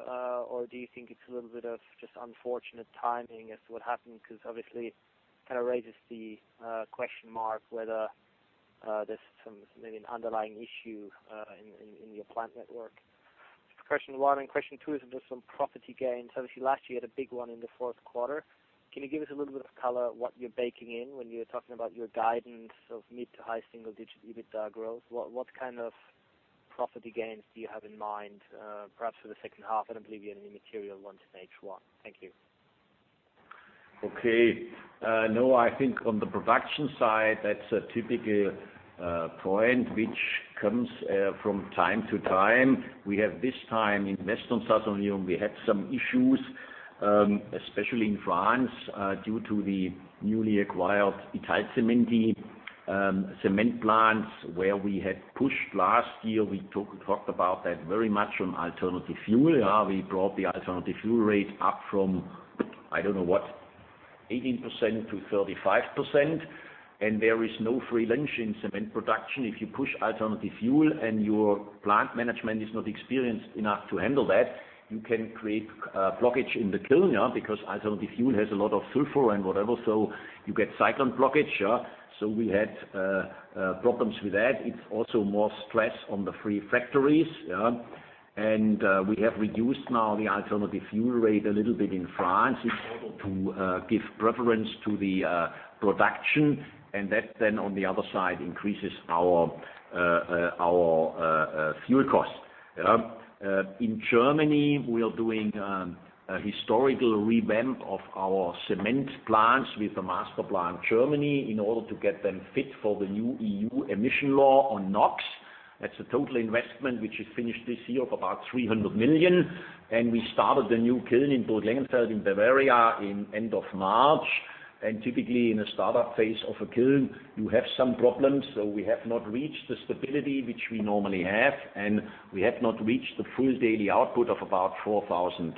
or do you think it's a little bit of just unfortunate timing as to what happened? Because obviously, kind of raises the question mark whether there's maybe an underlying issue in your plant network. That's question one, and question two is just on property gains. Obviously last year had a big one in the fourth quarter. Can you give us a little bit of color what you're baking in when you're talking about your guidance of mid to high single-digit EBITDA growth? What kind of property gains do you have in mind, perhaps for the second half? I don't believe you had any material ones in H1. Thank you. Okay. No, I think on the production side, that's a typical point which comes from time to time. We have this time in Western Southern Europe, we had some issues, especially in France, due to the newly acquired Italcementi cement plants where we had pushed last year, we talked about that very much on alternative fuel. We brought the alternative fuel rate up from, I don't know what, 18% to 35%. There is no free lunch in cement production. If you push alternative fuel and your plant management is not experienced enough to handle that, you can create blockage in the kiln, because alternative fuel has a lot of sulfur and whatever, so you get cyclone blockage. We had problems with that. It's also more stress on the three factories. We have reduced now the alternative fuel rate a little bit in France in order to give preference to the production and that then on the other side increases our fuel cost. In Germany, we are doing a historical revamp of our cement plants with the Master Plan Germany in order to get them fit for the new EU emission law on NOx. That's a total investment which is finished this year of about 300 million. We started the new kiln in Burglengenfeld in Bavaria in end of March. Typically in a startup phase of a kiln, you have some problems. We have not reached the stability which we normally have, and we have not reached the full daily output of about 4,000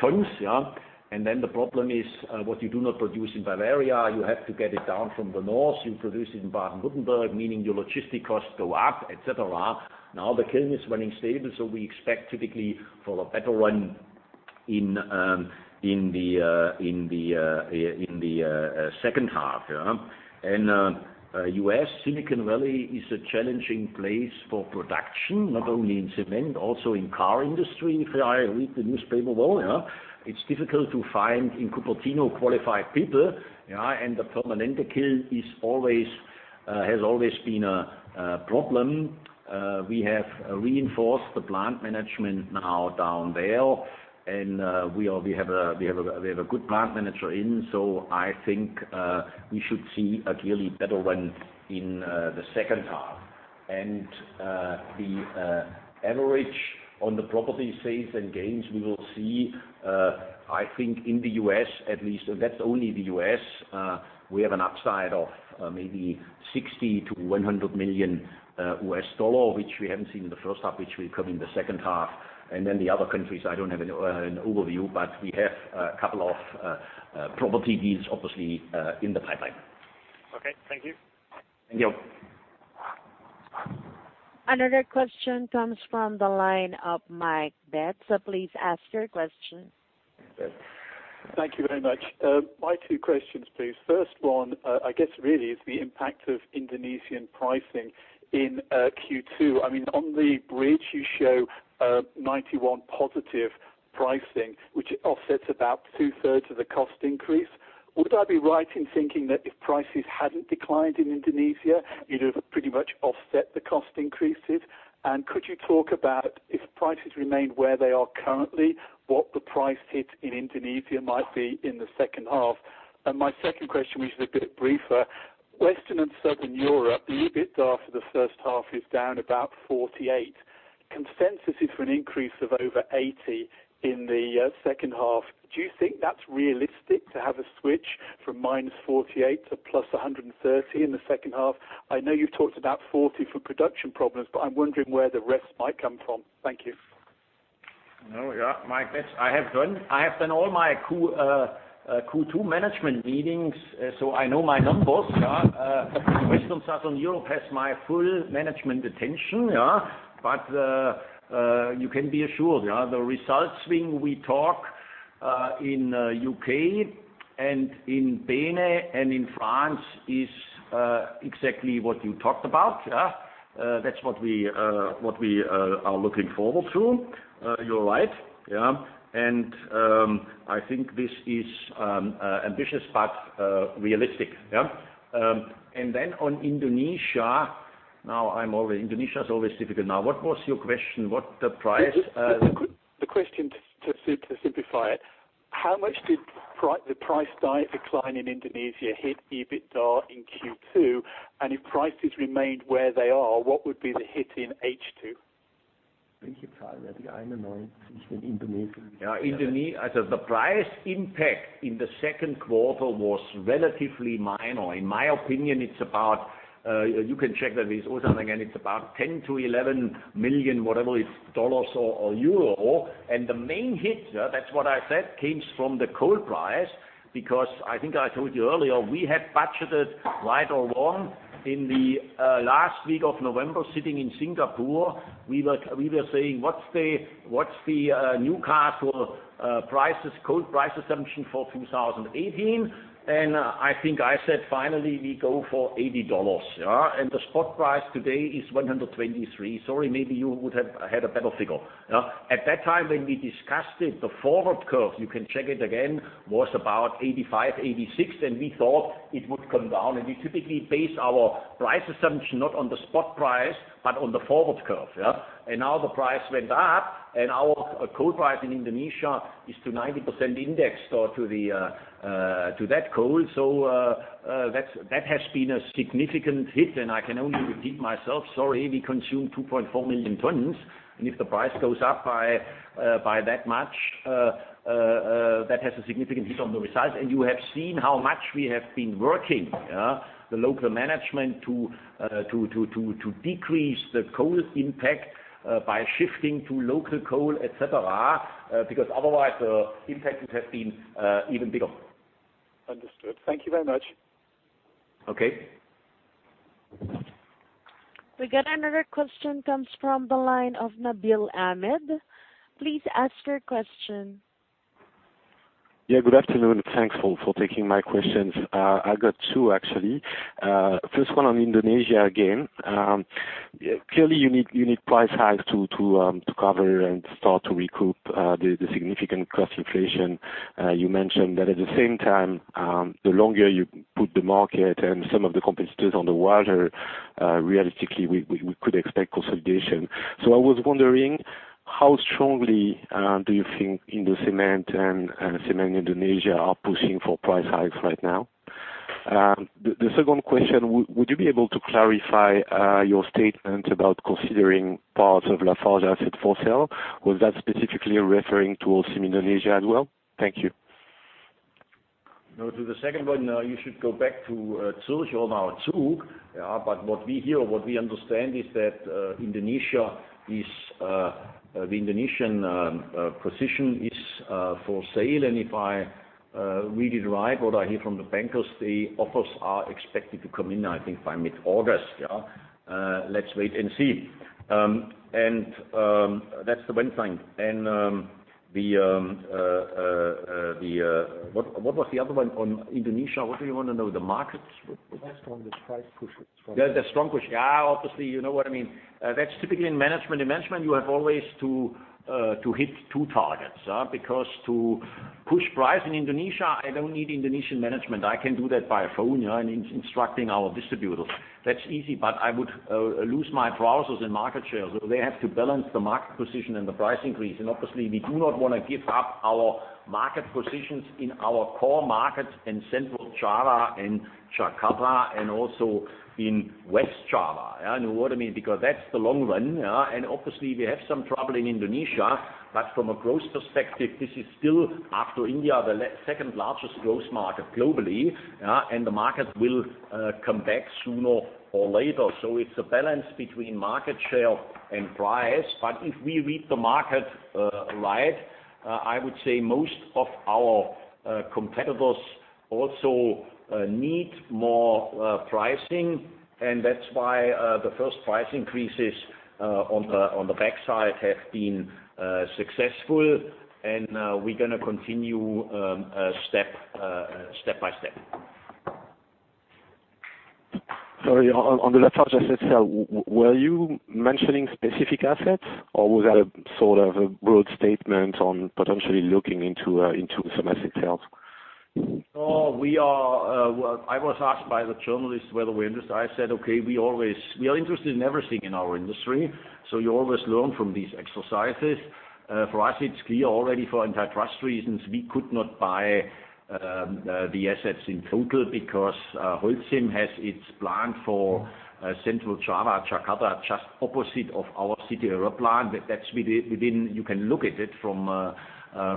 tons. The problem is what you do not produce in Bavaria, you have to get it down from the north, you produce it in Baden-Württemberg, meaning your logistic costs go up, et cetera. Now the kiln is running stable, so we expect typically for a better run in the second half. U.S. Silicon Valley is a challenging place for production, not only in cement, also in car industry, if I read the newspaper well. It's difficult to find in Cupertino qualified people. The Permanente kiln has always been a problem. We have reinforced the plant management now down there, and we have a good plant manager in. I think we should see a clearly better run in the second half. The average on the property sales and gains we will see, I think in the U.S. at least, that's only the U.S., we have an upside of maybe $60 million-$100 million, which we haven't seen in the first half, which will come in the second half. The other countries, I don't have an overview, but we have a couple of property deals obviously, in the pipeline. Okay. Thank you. Thank you. Another question comes from the line of Mike Betts. Please ask your question. Thank you very much. My two questions please. First one, I guess really is the impact of Indonesian pricing in Q2. On the bridge you show 91 positive pricing, which offsets about two-thirds of the cost increase. Would I be right in thinking that if prices hadn't declined in Indonesia, you'd have pretty much offset the cost increases? Could you talk about if prices remain where they are currently, what the price hit in Indonesia might be in the second half? My second question, which is a bit briefer, Western and Southern Europe, the EBIT after the first half is down about 48%. Consensus is for an increase of over 80% in the second half. Do you think that's realistic to have a switch from -48% to +130% in the second half? I know you've talked about 40% for production problems, but I'm wondering where the rest might come from. Thank you. Mike Betts, I have done all my Q2 management meetings, so I know my numbers. Western and Southern Europe has my full management attention. You can be assured, the results swing we talk, in U.K. and in Benelux and in France is exactly what you talked about. That's what we are looking forward to. You're right. I think this is ambitious, but realistic. On Indonesia is always difficult. Now, what was your question? What the price- The question, to simplify it, how much did the price decline in Indonesia hit EBITDA in Q2? If prices remained where they are, what would be the hit in H2? The price impact in the second quarter was relatively minor. In my opinion, you can check that with Ozan again, it's about 10 million to 11 million, whatever it's dollars or euro. The main hit, that's what I said, comes from the coal price, because I think I told you earlier, we had budgeted right or wrong in the last week of November, sitting in Singapore, we were saying, "What's the new coal price assumption for 2018?" I think I said, "Finally, we go for $80." The spot price today is $123. Sorry, maybe you would have had a better figure. At that time when we discussed it, the forward curve, you can check it again, was about $85, $86. We thought it would come down. We typically base our price assumption not on the spot price, but on the forward curve. Now the price went up, our coal price in Indonesia is to 90% indexed to that coal. That has been a significant hit, I can only repeat myself. Sorry, we consume 2.4 million tons, if the price goes up by that much, that has a significant hit on the results. You have seen how much we have been working, the local management to decrease the coal impact, by shifting to local coal, et cetera, because otherwise the impact would have been even bigger. Understood. Thank you very much. Okay. We got another question, comes from the line of Nabil Ahmed. Please ask your question. Yeah, good afternoon. Thanks for taking my questions. I got two, actually. First one on Indonesia again. Clearly you need price hikes to cover and start to recoup the significant cost inflation. You mentioned that at the same time, the longer you put the market and some of the competitors on the water, realistically, we could expect consolidation. I was wondering how strongly do you think Indocement and Semen Indonesia are pushing for price hikes right now? The second question, would you be able to clarify your statement about considering parts of Lafarge asset for sale? Was that specifically referring to Holcim Indonesia as well? Thank you. No, to the second one, what we hear, what we understand is that the Indonesian position is for sale. If I read it right, what I hear from the bankers, the offers are expected to come in, I think, by mid-August. Let's wait and see. That's the one thing. What was the other one on Indonesia? What do you want to know? The markets? The strong price push. The strong push. Obviously, you know what I mean. That is typically in management. In management, you have always to hit two targets, because to push price in Indonesia, I do not need Indonesian management. I can do that by phone and instructing our distributors. That is easy, but I would lose my buyers and market shares. They have to balance the market position and the price increase. Obviously, we do not want to give up our market positions in our core markets in Central Java and Jakarta and also in West Java. You know what I mean? Because that is the long run. Obviously, we have some trouble in Indonesia, but from a growth perspective, this is still, after India, the second-largest growth market globally, and the market will come back sooner or later. It is a balance between market share and price. If we read the market right, I would say most of our competitors also need more pricing, and that is why the first price increases on the backside have been successful, and we are going to continue step by step. Sorry. On the Lafarge asset sale, were you mentioning specific assets, or was that a broad statement on potentially looking into some asset sales? No. I was asked by the journalist whether we're interested. I said, okay, we are interested in everything in our industry, you always learn from these exercises. For us, it's clear already for antitrust reasons, we could not buy the assets in total because Holcim has its plant for Central Java, Jakarta, just opposite of our Citeureup plant. You can look at it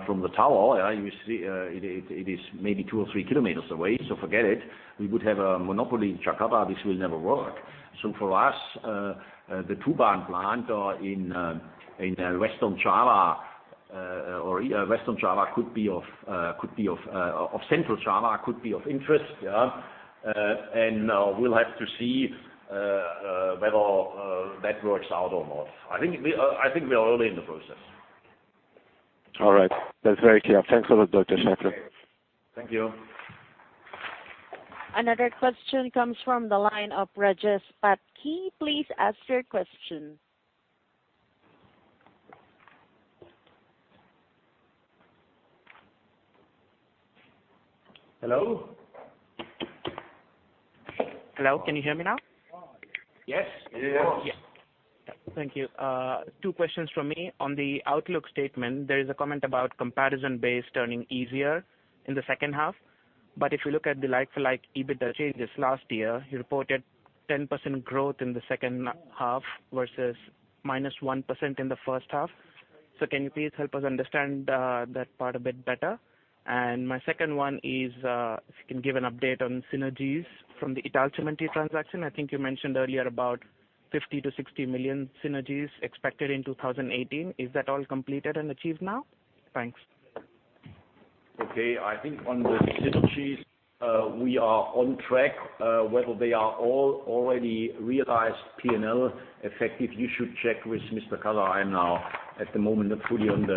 from the tower. You see it is maybe two or three kilometers away, forget it. We would have a monopoly in Jakarta. This will never work. For us, the Tuban plant in East Java, Central Java could be of interest. We'll have to see whether that works out or not. I think we are early in the process. All right. That's very clear. Thanks a lot, Dr. Scheifele. Thank you. Another question comes from the line of Rajesh Patki. Please ask your question. Hello? Hello, can you hear me now? Yes, of course. Yes. Thank you. Two questions from me. On the outlook statement, there is a comment about comparison base turning easier in the second half, but if you look at the like-for-like EBITDA changes last year, you reported 10% growth in the second half versus -1% in the first half. Can you please help us understand that part a bit better? My second one is, if you can give an update on synergies from the Italcementi transaction. I think you mentioned earlier about 50 million to 60 million synergies expected in 2018. Is that all completed and achieved now? Thanks. Okay. I think on the synergies, we are on track. Whether they are all already realized P&L effective, you should check with Mr. Kacar. I am now at the moment not fully on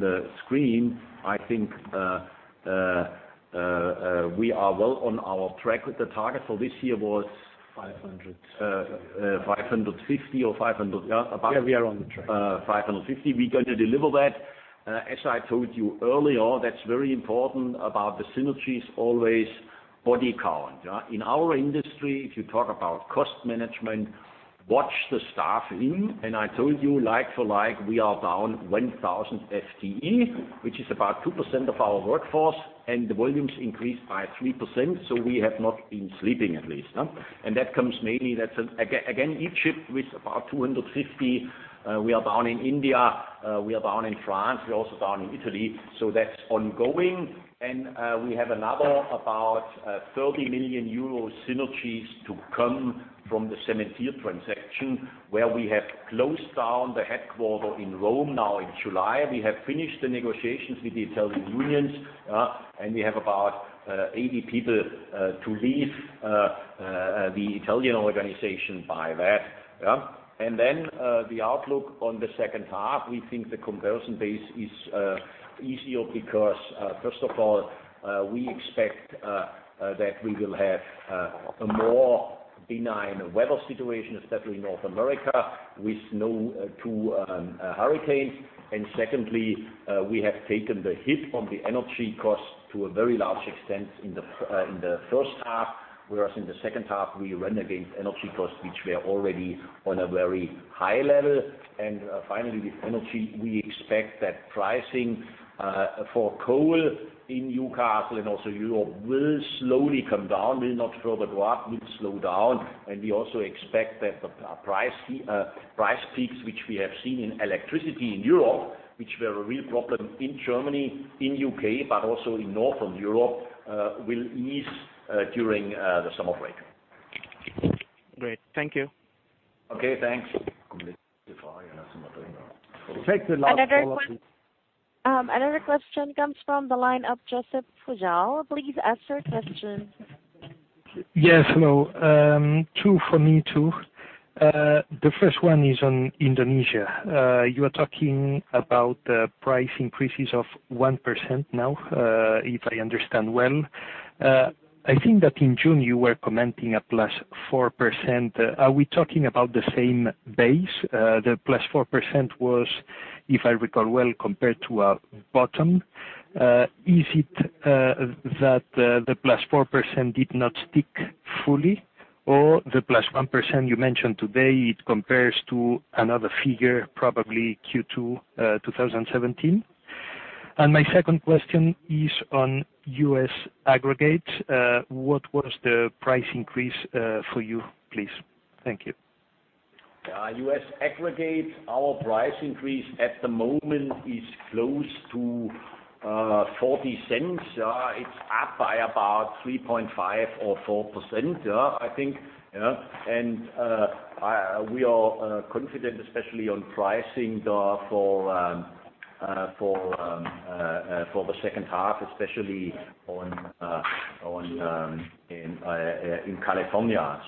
the screen. I think we are well on our track with the target for this year was. 500. 550 or 500. Yeah. Yeah, we are on track. 550. We're going to deliver that. As I told you earlier, that's very important about the synergies always body count. In our industry, if you talk about cost management, watch the staffing. I told you like for like, we are down 1,000 FTE, which is about 2% of our workforce, and the volumes increased by 3%. We have not been sleeping, at least. Again, Egypt with about 250. We are down in India, we are down in France, we're also down in Italy. That's ongoing. We have another about 30 million euro synergies to come from the Cementir transaction, where we have closed down the headquarter in Rome now in July. We have finished the negotiations with the Italian unions, and we have about 80 people to leave the Italian organization by that. The outlook on the second half, we think the comparison base is easier because, first of all, we expect that we will have a more benign weather situation, especially in North America, with no two hurricanes. Secondly, we have taken the hit on the energy cost to a very large extent in the first half, whereas in the second half, we run against energy costs, which were already on a very high level. Finally, with energy, we expect that pricing for coal in Newcastle and also Europe will slowly come down. Will not further go up, will slow down. We also expect that the price peaks, which we have seen in electricity in Europe, which were a real problem in Germany, in U.K., but also in Northern Europe, will ease during the summer break. Great. Thank you. Okay, thanks. Another question comes from the line of Josep Pujal. Please ask your question. Yes. Hello. Two for me, too. The first one is on Indonesia. You are talking about price increases of 1% now, if I understand well. I think that in June you were commenting a plus 4%. Are we talking about the same base? The plus 4% was, if I recall well, compared to a bottom. Is it that the plus 4% did not stick fully, or the plus 1% you mentioned today, it compares to another figure, probably Q2 2017? My second question is on U.S. aggregate. What was the price increase for you, please? Thank you. U.S. aggregate, our price increase at the moment is close to $0.40. It's up by about 3.5% or 4%, I think. We are confident, especially on pricing for the second half, especially in California.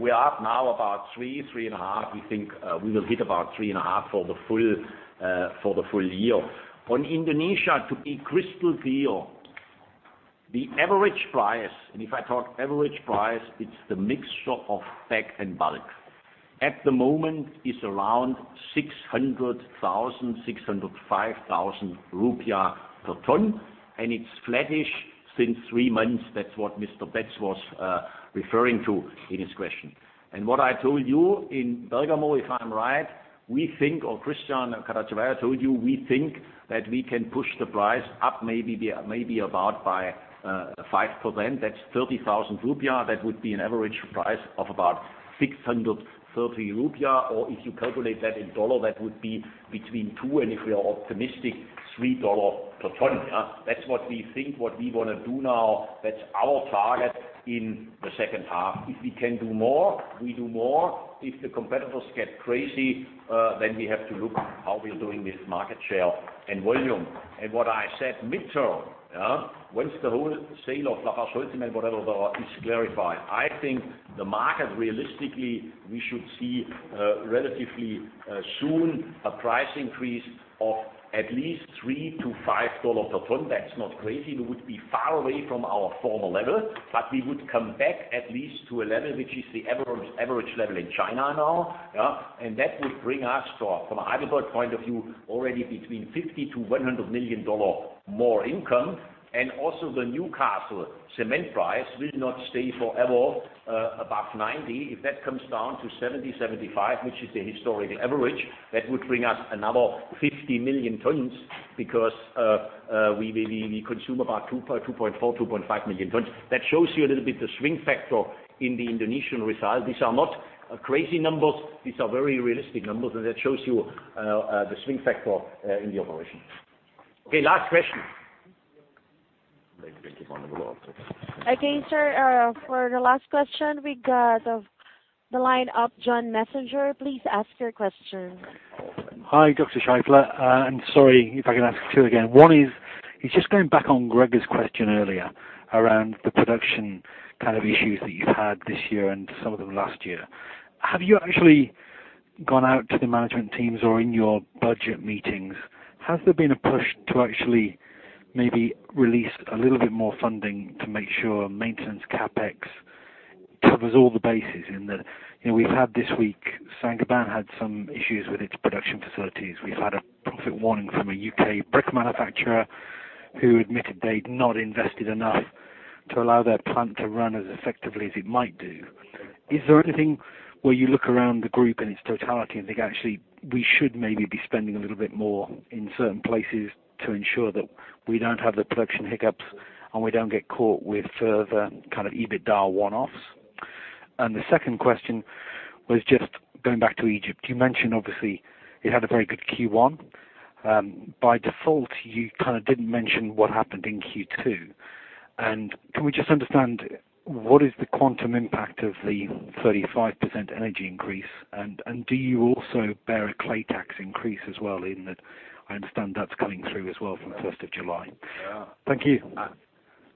We are up now about 3.5. We think we will hit about 3.5 for the full year. On Indonesia, to be crystal clear, the average price, and if I talk average price, it's the mixture of bag and bulk. At the moment, is around 600,000-605,000 rupiah per ton, and it's flattish since 3 months. That's what Mr. Betts Was referring to in his question. What I told you in Bergamo, if I'm right, we think, or [Christian Caracciolo] told you, we think that we can push the price up maybe about by 5%, that's 30,000 rupiah. That would be an average price of about 630,000 rupiah. If you calculate that in dollar, that would be between $2 and, if we are optimistic, $3 per ton. That's what we think, what we want to do now. That's our target in the second half. If we can do more, we do more. If the competitors get crazy, we have to look how we're doing with market share and volume. What I said midterm, once the whole sale of LafargeHolcim and whatever is clarified, I think the market, realistically, we should see relatively soon a price increase of at least $3-$5 per ton. That's not crazy. It would be far away from our former level, but we would come back at least to a level which is the average level in China now. That would bring us to, from a HeidelbergCement point of view, already between $50 million to $100 million more income. Also the Newcastle cement price will not stay forever above $90. If that comes down to $70, $75, which is the historical average, that would bring us another 50 million tons because we consume about 2.4, 2.5 million tons. That shows you a little bit the swing factor in the Indonesian result. These are not crazy numbers. These are very realistic numbers, and that shows you the swing factor in the operation. Okay, last question. Okay, sir, for the last question we got on the line John Messenger. Please ask your question. Hi, Dr. Scheifele. Sorry if I can ask two again. One is, just going back on Gregor's question earlier around the production kind of issues that you have had this year and some of them last year. Have you actually gone out to the management teams or in your budget meetings, has there been a push to actually maybe release a little bit more funding to make sure maintenance CapEx covers all the bases? This week, Saint-Gobain had some issues with its production facilities. We have had a profit warning from a U.K. brick manufacturer who admitted they had not invested enough to allow their plant to run as effectively as it might do. Is there anything where you look around the group in its totality and think actually we should maybe be spending a little bit more in certain places to ensure that we do not have the production hiccups, and we do not get caught with further kind of EBITDA one-offs? The second question was just going back to Egypt. You mentioned, obviously, it had a very good Q1. By default, you kind of did not mention what happened in Q2. Can we just understand what is the quantum impact of the 35% energy increase? Do you also bear a clay tax increase as well in that I understand that is coming through as well from the 1st of July? Yeah. Thank you.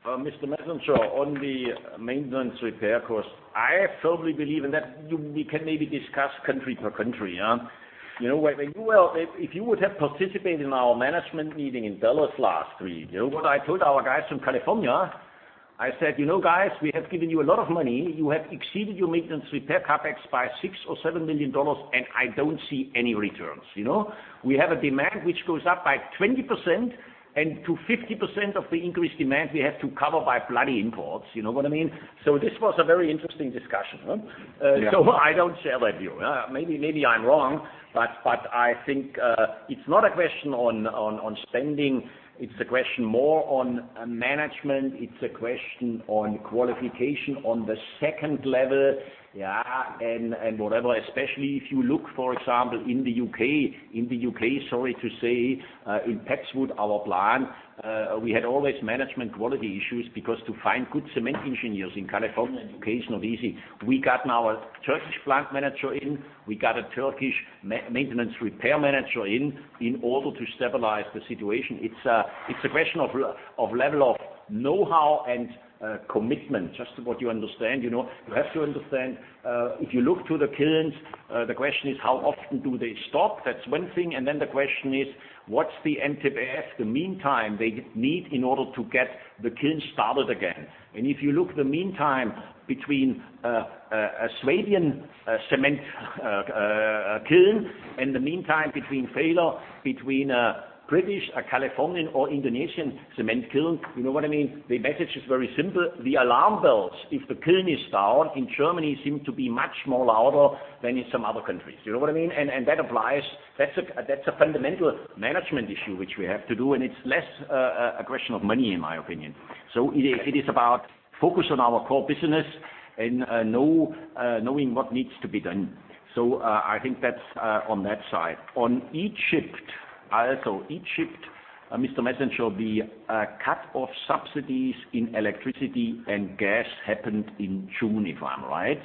Mr. Messenger, on the maintenance repair cost, I firmly believe in that we can maybe discuss country per country. If you would have participated in our management meeting in Dallas last week, you know what I told our guys from California? I said, "You know, guys, we have given you a lot of money. You have exceeded your maintenance repair CapEx by 6 million or EUR 7 million, and I do not see any returns." We have a demand which goes up by 20%, and to 50% of the increased demand we have to cover by bloody imports. You know what I mean? This was a very interesting discussion. Yeah. I don't share that view. Maybe I'm wrong, but I think it's not a question on spending, it's a question more on management. It's a question on qualification on the second level, and whatever. Especially if you look, for example, in the U.K., sorry to say, in Padeswood, our plant, we had always management quality issues, because to find good cement engineers in California, education of easy, we got now a Turkish plant manager in, we got a Turkish maintenance repair manager in order to stabilize the situation. It's a question of level of knowhow and commitment. Just what you understand. You have to understand, if you look to the kilns, the question is, how often do they stop? That's one thing. The question is, what's the MTBF, the meantime they need in order to get the kiln started again? If you look the meantime between a Swabian cement kiln, and the meantime between failure between a British, a Californian, or Indonesian cement kiln, you know what I mean? The message is very simple. The alarm bells, if the kiln is down in Germany, seem to be much more louder than in some other countries. You know what I mean? That's a fundamental management issue which we have to do, and it's less a question of money, in my opinion. It is about focus on our core business and knowing what needs to be done. I think that's on that side. On Egypt, Mr. Messenger, the cut of subsidies in electricity and gas happened in June, if I'm right.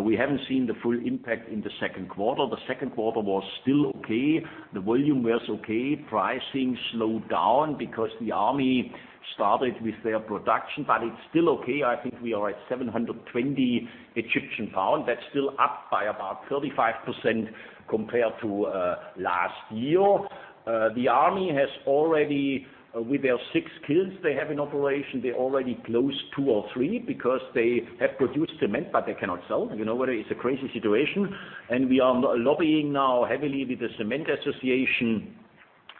We haven't seen the full impact in the second quarter. The second quarter was still okay. The volume was okay. Pricing slowed down because the army started with their production, but it's still okay. I think we are at 720 Egyptian pound. That's still up by about 35% compared to last year. The army has already, with their six kilns they have in operation, they already closed two or three because they have produced cement, but they cannot sell. You know what, it's a crazy situation. We are lobbying now heavily with the Cement Association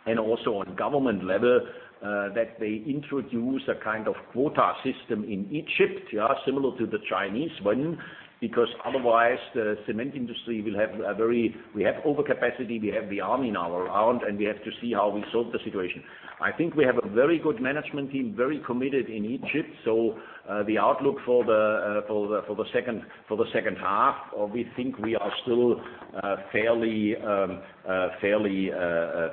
and also on government level, that they introduce a kind of quota system in Egypt, similar to the Chinese one. Otherwise, the cement industry, we have overcapacity, we have the army now around, and we have to see how we solve the situation. I think we have a very good management team, very committed in Egypt. The outlook for the second half, we think we are still fairly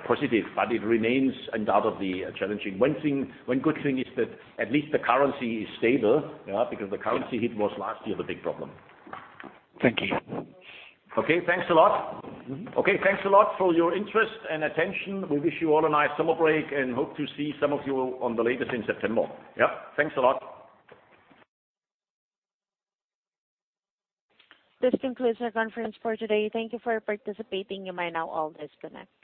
positive, but it remains undoubtedly challenging. One good thing is that at least the currency is stable, because the currency hit was last year, the big problem. Thank you. Okay. Thanks a lot. Okay. Thanks a lot for your interest and attention. We wish you all a nice summer break and hope to see some of you on the latest in September. Yep. Thanks a lot. This concludes our conference for today. Thank you for participating. You might now all disconnect.